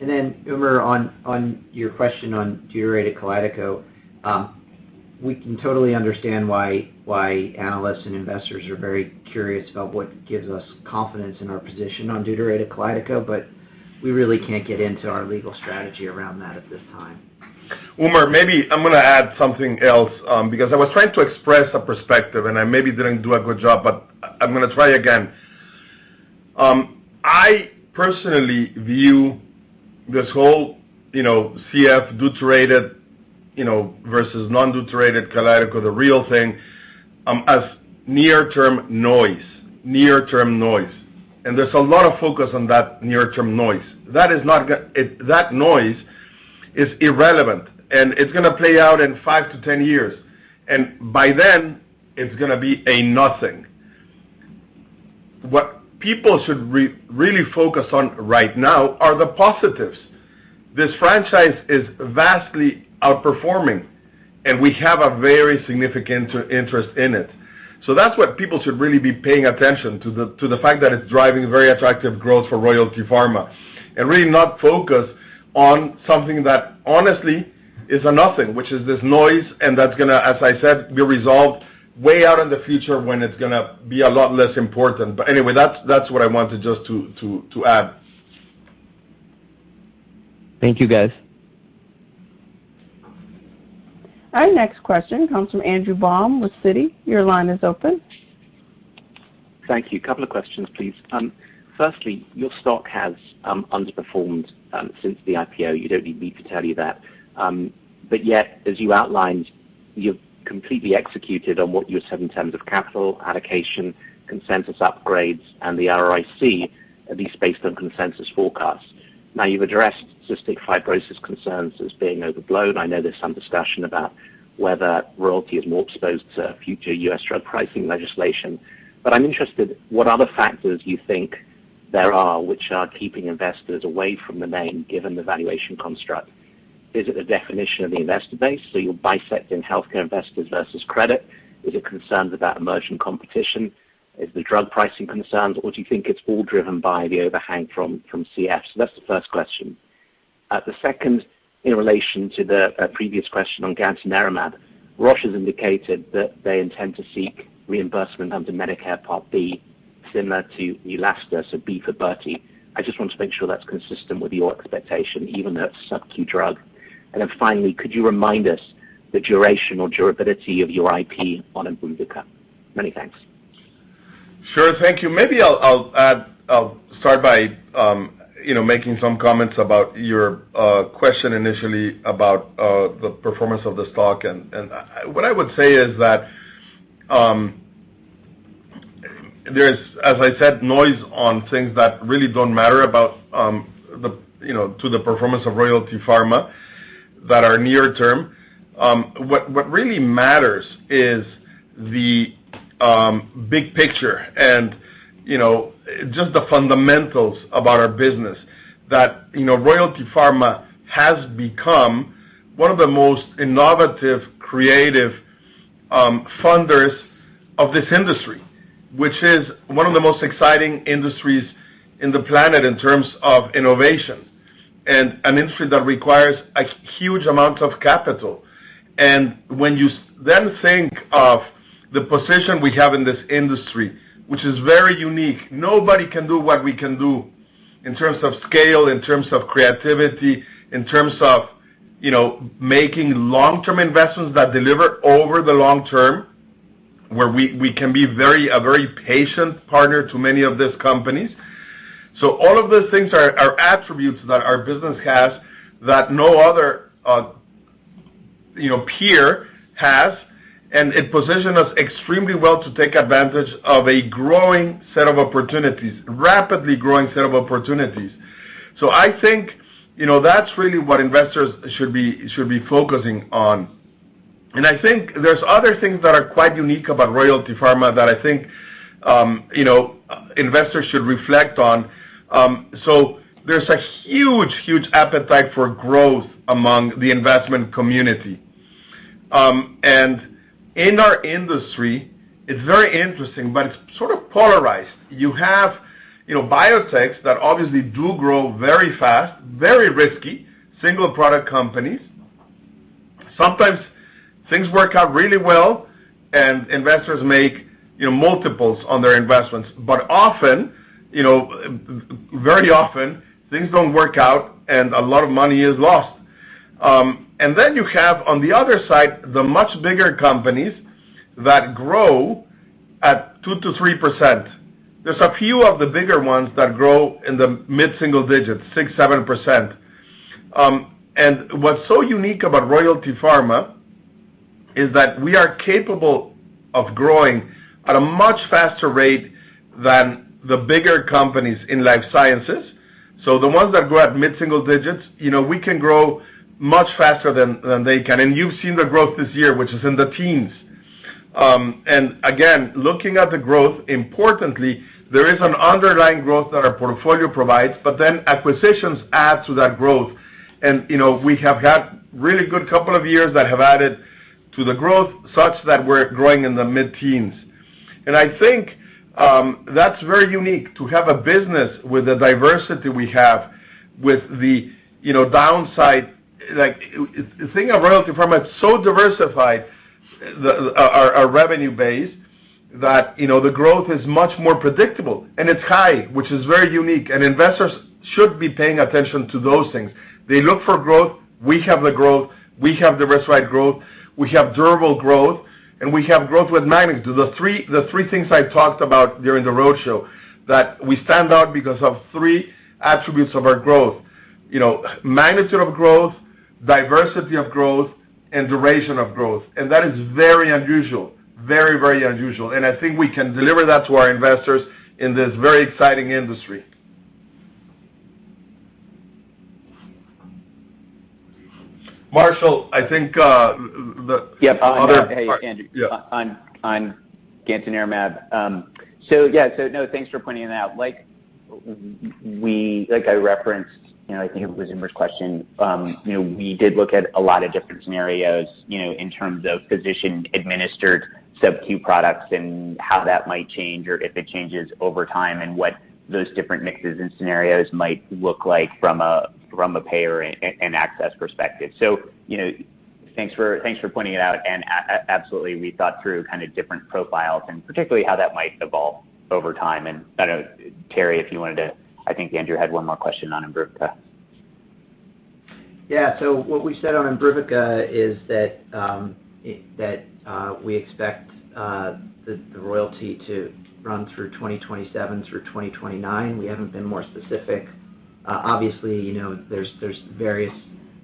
Umer, on your question on deuterated KALYDECO. We can totally understand why analysts and investors are very curious about what gives us confidence in our position on deuterated KALYDECO, but we really can't get into our legal strategy around that at this time. Umer, maybe I'm going to add something else, because I was trying to express a perspective and I maybe didn't do a good job, but I'm going to try again. I personally view this whole CF deuterated versus non-deuterated KALYDECO, the real thing, as near term noise. There's a lot of focus on that near term noise. That noise is irrelevant, and it's going to play out in 5 to 10 years, and by then it's going to be a nothing. What people should really focus on right now are the positives. This franchise is vastly outperforming, and we have a very significant interest in it. That's what people should really be paying attention to, the fact that it's driving very attractive growth for Royalty Pharma and really not focus on something that honestly is a nothing, which is this noise, and that's going to, as I said, be resolved way out in the future when it's going to be a lot less important. Anyway, that's what I wanted just to add. Thank you, guys. Our next question comes from Andrew Baum with Citi. Your line is open. Thank you. Couple of questions, please. Firstly, your stock has underperformed since the IPO. You don't need me to tell you that. Yet, as you outlined, you've completely executed on what you said in terms of capital allocation, consensus upgrades, and the IRR, at least based on consensus forecasts. Now you've addressed cystic fibrosis concerns as being overblown. I know there's some discussion about whether Royalty is more exposed to future U.S. drug pricing legislation. I'm interested what other factors you think there are which are keeping investors away from the name given the valuation construct. Is it a definition of the investor base, so you're bisecting healthcare investors versus credit? Is it concerns about emerging competition? Is the drug pricing concerns, or do you think it's all driven by the overhang from CF? That's the first question. The second, in relation to the previous question on gantenerumab, Roche has indicated that they intend to seek reimbursement under Medicare Part B, similar to ADUHELM, so B for Berti. I just want to make sure that's consistent with your expectation, even a subcu drug. Finally, could you remind us the duration or durability of your IP on IMBRUVICA? Many thanks. Sure. Thank you. Maybe I'll start by making some comments about your question initially about the performance of the stock. What I would say is that there's, as I said, noise on things that really don't matter to the performance of Royalty Pharma that are near term. What really matters is the big picture and just the fundamentals about our business. That Royalty Pharma has become one of the most innovative, creative funders of this industry, which is one of the most exciting industries in the planet in terms of innovation. An industry that requires a huge amount of capital. When you then think of the position we have in this industry, which is very unique, nobody can do what we can do in terms of scale, in terms of creativity, in terms of making long-term investments that deliver over the long term, where we can be a very patient partner to many of these companies. All of those things are attributes that our business has that no other peer has, and it positions us extremely well to take advantage of a growing set of opportunities, rapidly growing set of opportunities. I think that's really what investors should be focusing on. I think there's other things that are quite unique about Royalty Pharma that I think investors should reflect on. There's a huge appetite for growth among the investment community. In our industry, it's very interesting, but it's sort of polarized. You have biotechs that obviously do grow very fast, very risky, single product companies. Sometimes things work out really well and investors make multiples on their investments. Often, very often, things don't work out and a lot of money is lost. Then you have, on the other side, the much bigger companies that grow at 2%-3%. There's a few of the bigger ones that grow in the mid-single digits, 6%, 7%. What's so unique about Royalty Pharma is that we are capable of growing at a much faster rate than the bigger companies in life sciences. The ones that grow at mid-single digits, we can grow much faster than they can. You've seen the growth this year, which is in the teens. Again, looking at the growth, importantly, there is an underlying growth that our portfolio provides, but then acquisitions add to that growth. We have had really good couple of years that have added to the growth such that we're growing in the mid-teens. I think that's very unique to have a business with the diversity we have with the downside The thing of Royalty Pharma, it's so diversified, our revenue base, that the growth is much more predictable and it's high, which is very unique, and investors should be paying attention to those things. They look for growth. We have the growth. We have diversified growth. We have durable growth, and we have growth with magnitude. The 3 things I talked about during the roadshow, that we stand out because of 3 attributes of our growth. Magnitude of growth, diversity of growth, and duration of growth. That is very unusual. Very unusual. I think we can deliver that to our investors in this very exciting industry. Marshall, I think the other part- Yeah. Hey, Andrew. Yeah. On gantenerumab. Yeah, thanks for pointing that out. Like I referenced, I think it was Umer's question, we did look at a lot of different scenarios in terms of physician administered subQ products and how that might change or if it changes over time and what those different mixes and scenarios might look like from a payer and access perspective. Thanks for pointing it out and absolutely, we thought through different profiles and particularly how that might evolve over time. I know, Terry, if you wanted to, I think Andrew had one more question on IMBRUVICA. Yeah. What we said on IMBRUVICA is that we expect the royalty to run through 2027 through 2029. We haven't been more specific. Obviously, there's various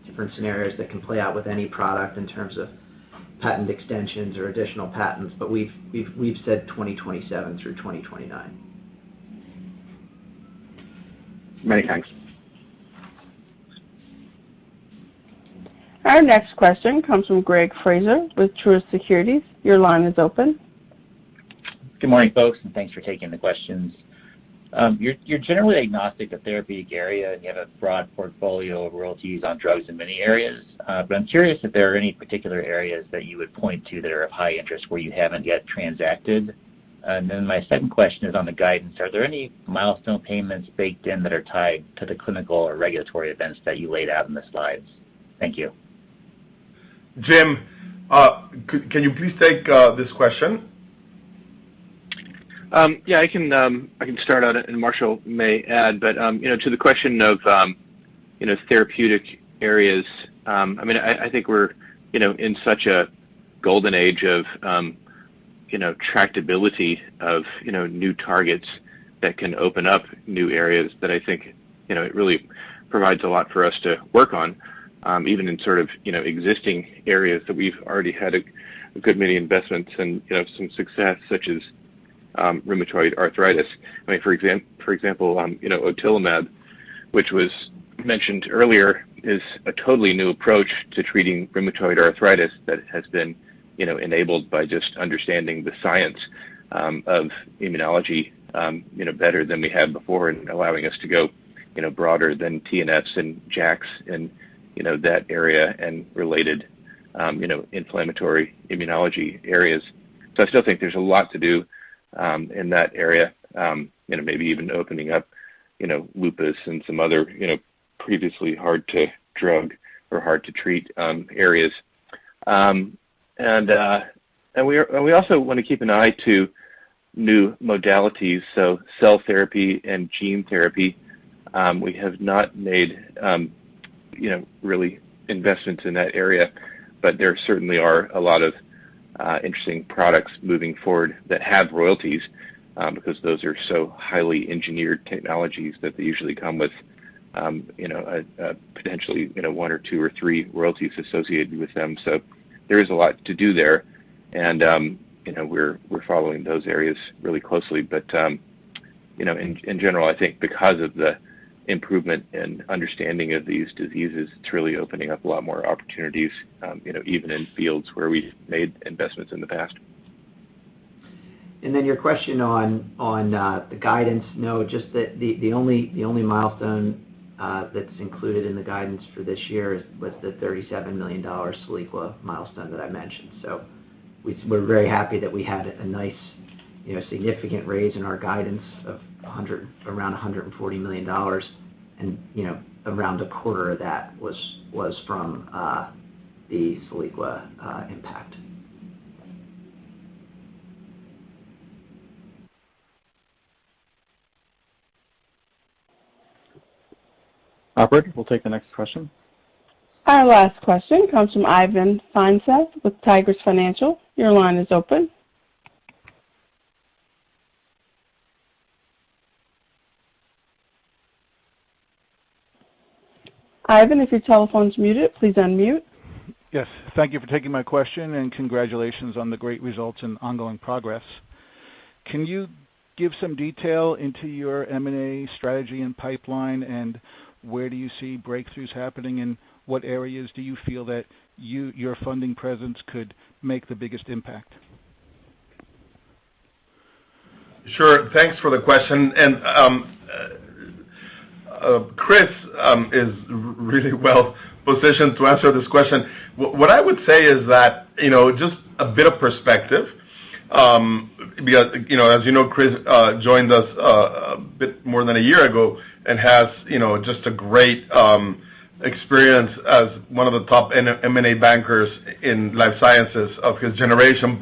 different scenarios that can play out with any product in terms of patent extensions or additional patents, but we've said 2027 through 2029. Many thanks. Our next question comes from Greg Fraser with Truist Securities. Your line is open. Good morning, folks, and thanks for taking the questions. You're generally agnostic of therapeutic area, and you have a broad portfolio of royalties on drugs in many areas. I'm curious if there are any particular areas that you would point to that are of high interest where you haven't yet transacted. My second question is on the guidance. Are there any milestone payments baked in that are tied to the clinical or regulatory events that you laid out in the slides? Thank you. Jim, can you please take this question? Yeah. I can start out. Marshall may add, but to the question of therapeutic areas, I think we're in such a golden age of tractability of new targets that can open up new areas that I think it really provides a lot for us to work on, even in existing areas that we've already had a good many investments and some success, such as rheumatoid arthritis. For example, Otilimab, which was mentioned earlier, is a totally new approach to treating rheumatoid arthritis that has been enabled by just understanding the science of immunology better than we have before and allowing us to go broader than TNFs and JAKs and that area and related inflammatory immunology areas. I still think there's a lot to do in that area, maybe even opening up lupus and some other previously hard-to-drug or hard-to-treat areas. We also want to keep an eye to new modalities, so cell therapy and gene therapy. We have not made really investments in that area, but there certainly are a lot of interesting products moving forward that have royalties, because those are so highly engineered technologies that they usually come with potentially one or two or three royalties associated with them. There is a lot to do there, and we're following those areas really closely. In general, I think because of the improvement and understanding of these diseases, it's really opening up a lot more opportunities, even in fields where we've made investments in the past. Your question on the guidance. No, the only milestone that's included in the guidance for this year was the $37 million Soliqua milestone that I mentioned. We're very happy that we had a nice significant raise in our guidance of around $140 million, and around a quarter of that was from the Soliqua impact. Operator, we'll take the next question. Our last question comes from Ivan Feinseth with Tigress Financial. Your line is open. Ivan, if your telephone's muted, please unmute. Yes. Thank you for taking my question, and congratulations on the great results and ongoing progress. Can you give some detail into your M&A strategy and pipeline, and where do you see breakthroughs happening, and what areas do you feel that your funding presence could make the biggest impact? Sure. Thanks for the question. Chris is really well positioned to answer this question. What I would say is that, just a bit of perspective, because, as you know, Chris joined us a bit more than a year ago and has just a great experience as one of the top M&A bankers in life sciences of his generation.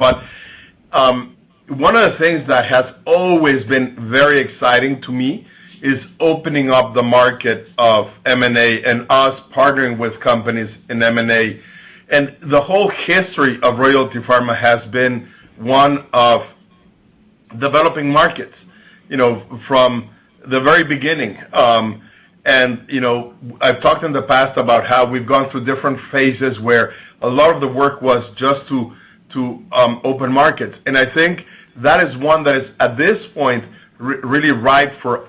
One of the things that has always been very exciting to me is opening up the market of M&A and us partnering with companies in M&A. The whole history of Royalty Pharma has been one of developing markets from the very beginning. I've talked in the past about how we've gone through different phases where a lot of the work was just to open markets. I think that is one that is, at this point, really ripe for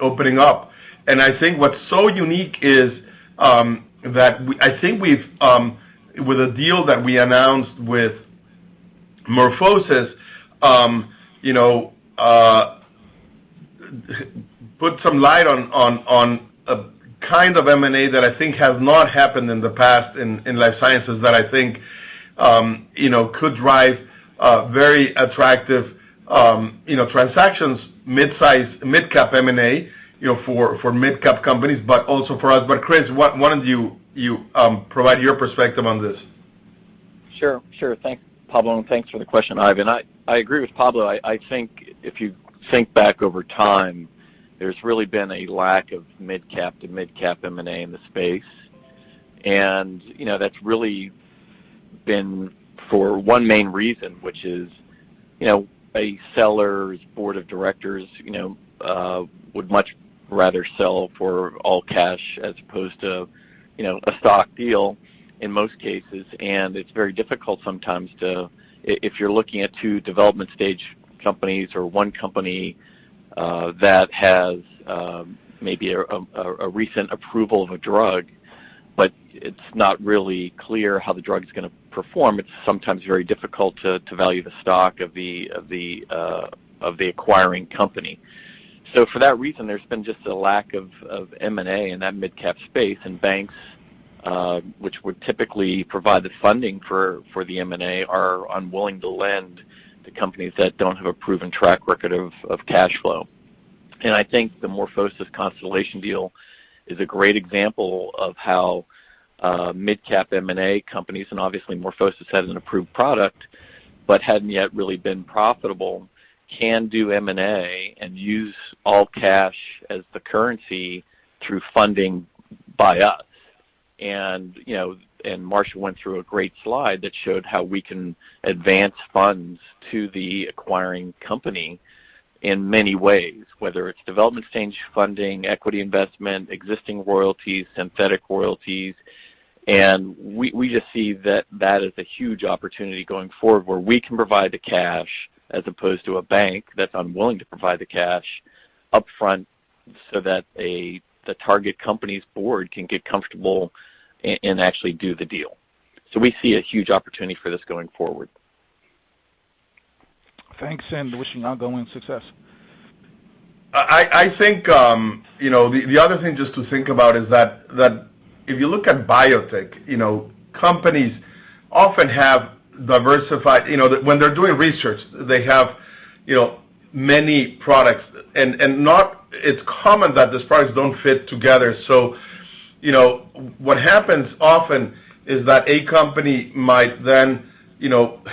opening up. I think what's so unique is that I think with the deal that we announced with MorphoSys, put some light on a kind of M&A that I think has not happened in the past in life sciences that I think could drive very attractive transactions, mid-size, mid-cap M&A for mid-cap companies, but also for us. Chris, why don't you provide your perspective on this? Sure. Thanks, Pablo, and thanks for the question, Ivan. I agree with Pablo. I think if you think back over time, there's really been a lack of mid-cap to mid-cap M&A in the space. That's really been for one main reason, which is a seller's board of directors would much rather sell for all cash as opposed to a stock deal in most cases. It's very difficult sometimes to, if you're looking at two development stage companies or one company that has maybe a recent approval of a drug, but it's not really clear how the drug's going to perform, it's sometimes very difficult to value the stock of the acquiring company. For that reason, there's been just a lack of M&A in that mid-cap space, and banks, which would typically provide the funding for the M&A, are unwilling to lend to companies that don't have a proven track record of cash flow. I think the MorphoSys Constellation deal is a great example of how mid-cap M&A companies, and obviously MorphoSys has an approved product, but hadn't yet really been profitable, can do M&A and use all cash as the currency through funding by us. Marshall Urist went through a great slide that showed how we can advance funds to the acquiring company in many ways, whether it's development stage funding, equity investment, existing royalties, synthetic royalties. We just see that that is a huge opportunity going forward where we can provide the cash as opposed to a bank that's unwilling to provide the cash up front so that the target company's board can get comfortable and actually do the deal. We see a huge opportunity for this going forward. Thanks, and wishing ongoing success. I think the other thing just to think about is that if you look at biotech, companies often have diversified-- when they're doing research, they have many products, and it's common that these products don't fit together. What happens often is that a company might then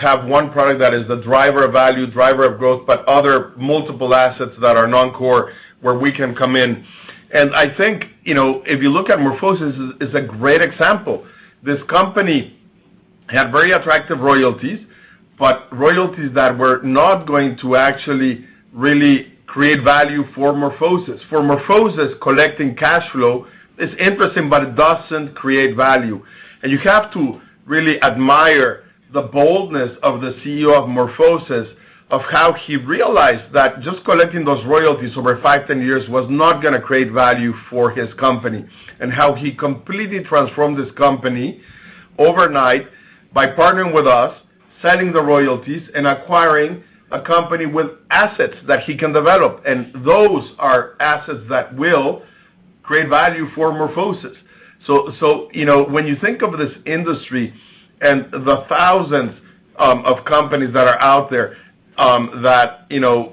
have one product that is the driver of value, driver of growth, but other multiple assets that are non-core where we can come in. I think, if you look at MorphoSys, it's a great example. This company had very attractive royalties, but royalties that were not going to actually really create value for MorphoSys. For MorphoSys, collecting cash flow is interesting, but it doesn't create value. You have to really admire the boldness of the CEO of MorphoSys, of how he realized that just collecting those royalties over 5, 10 years was not going to create value for his company, and how he completely transformed his company overnight by partnering with us, selling the royalties, and acquiring a company with assets that he can develop. Those are assets that will create value for MorphoSys. When you think of this industry and the thousands of companies that are out there that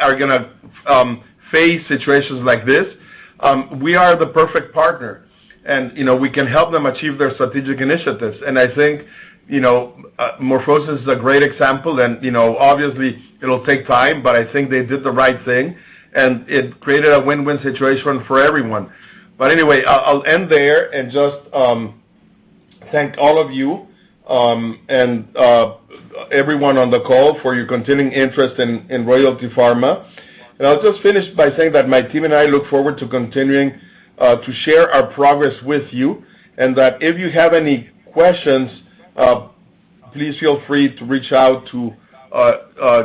are going to face situations like this, we are the perfect partner, and we can help them achieve their strategic initiatives. I think MorphoSys is a great example, and obviously it'll take time, but I think they did the right thing, and it created a win-win situation for everyone. Anyway, I'll end there and just thank all of you and everyone on the call for your continuing interest in Royalty Pharma. I'll just finish by saying that my team and I look forward to continuing to share our progress with you, and that if you have any questions, please feel free to reach out to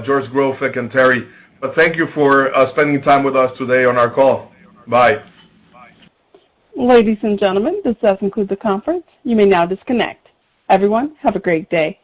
George Grofik and Terry. Thank you for spending time with us today on our call. Bye. Ladies and gentlemen, this does conclude the conference. You may now disconnect. Everyone, have a great day.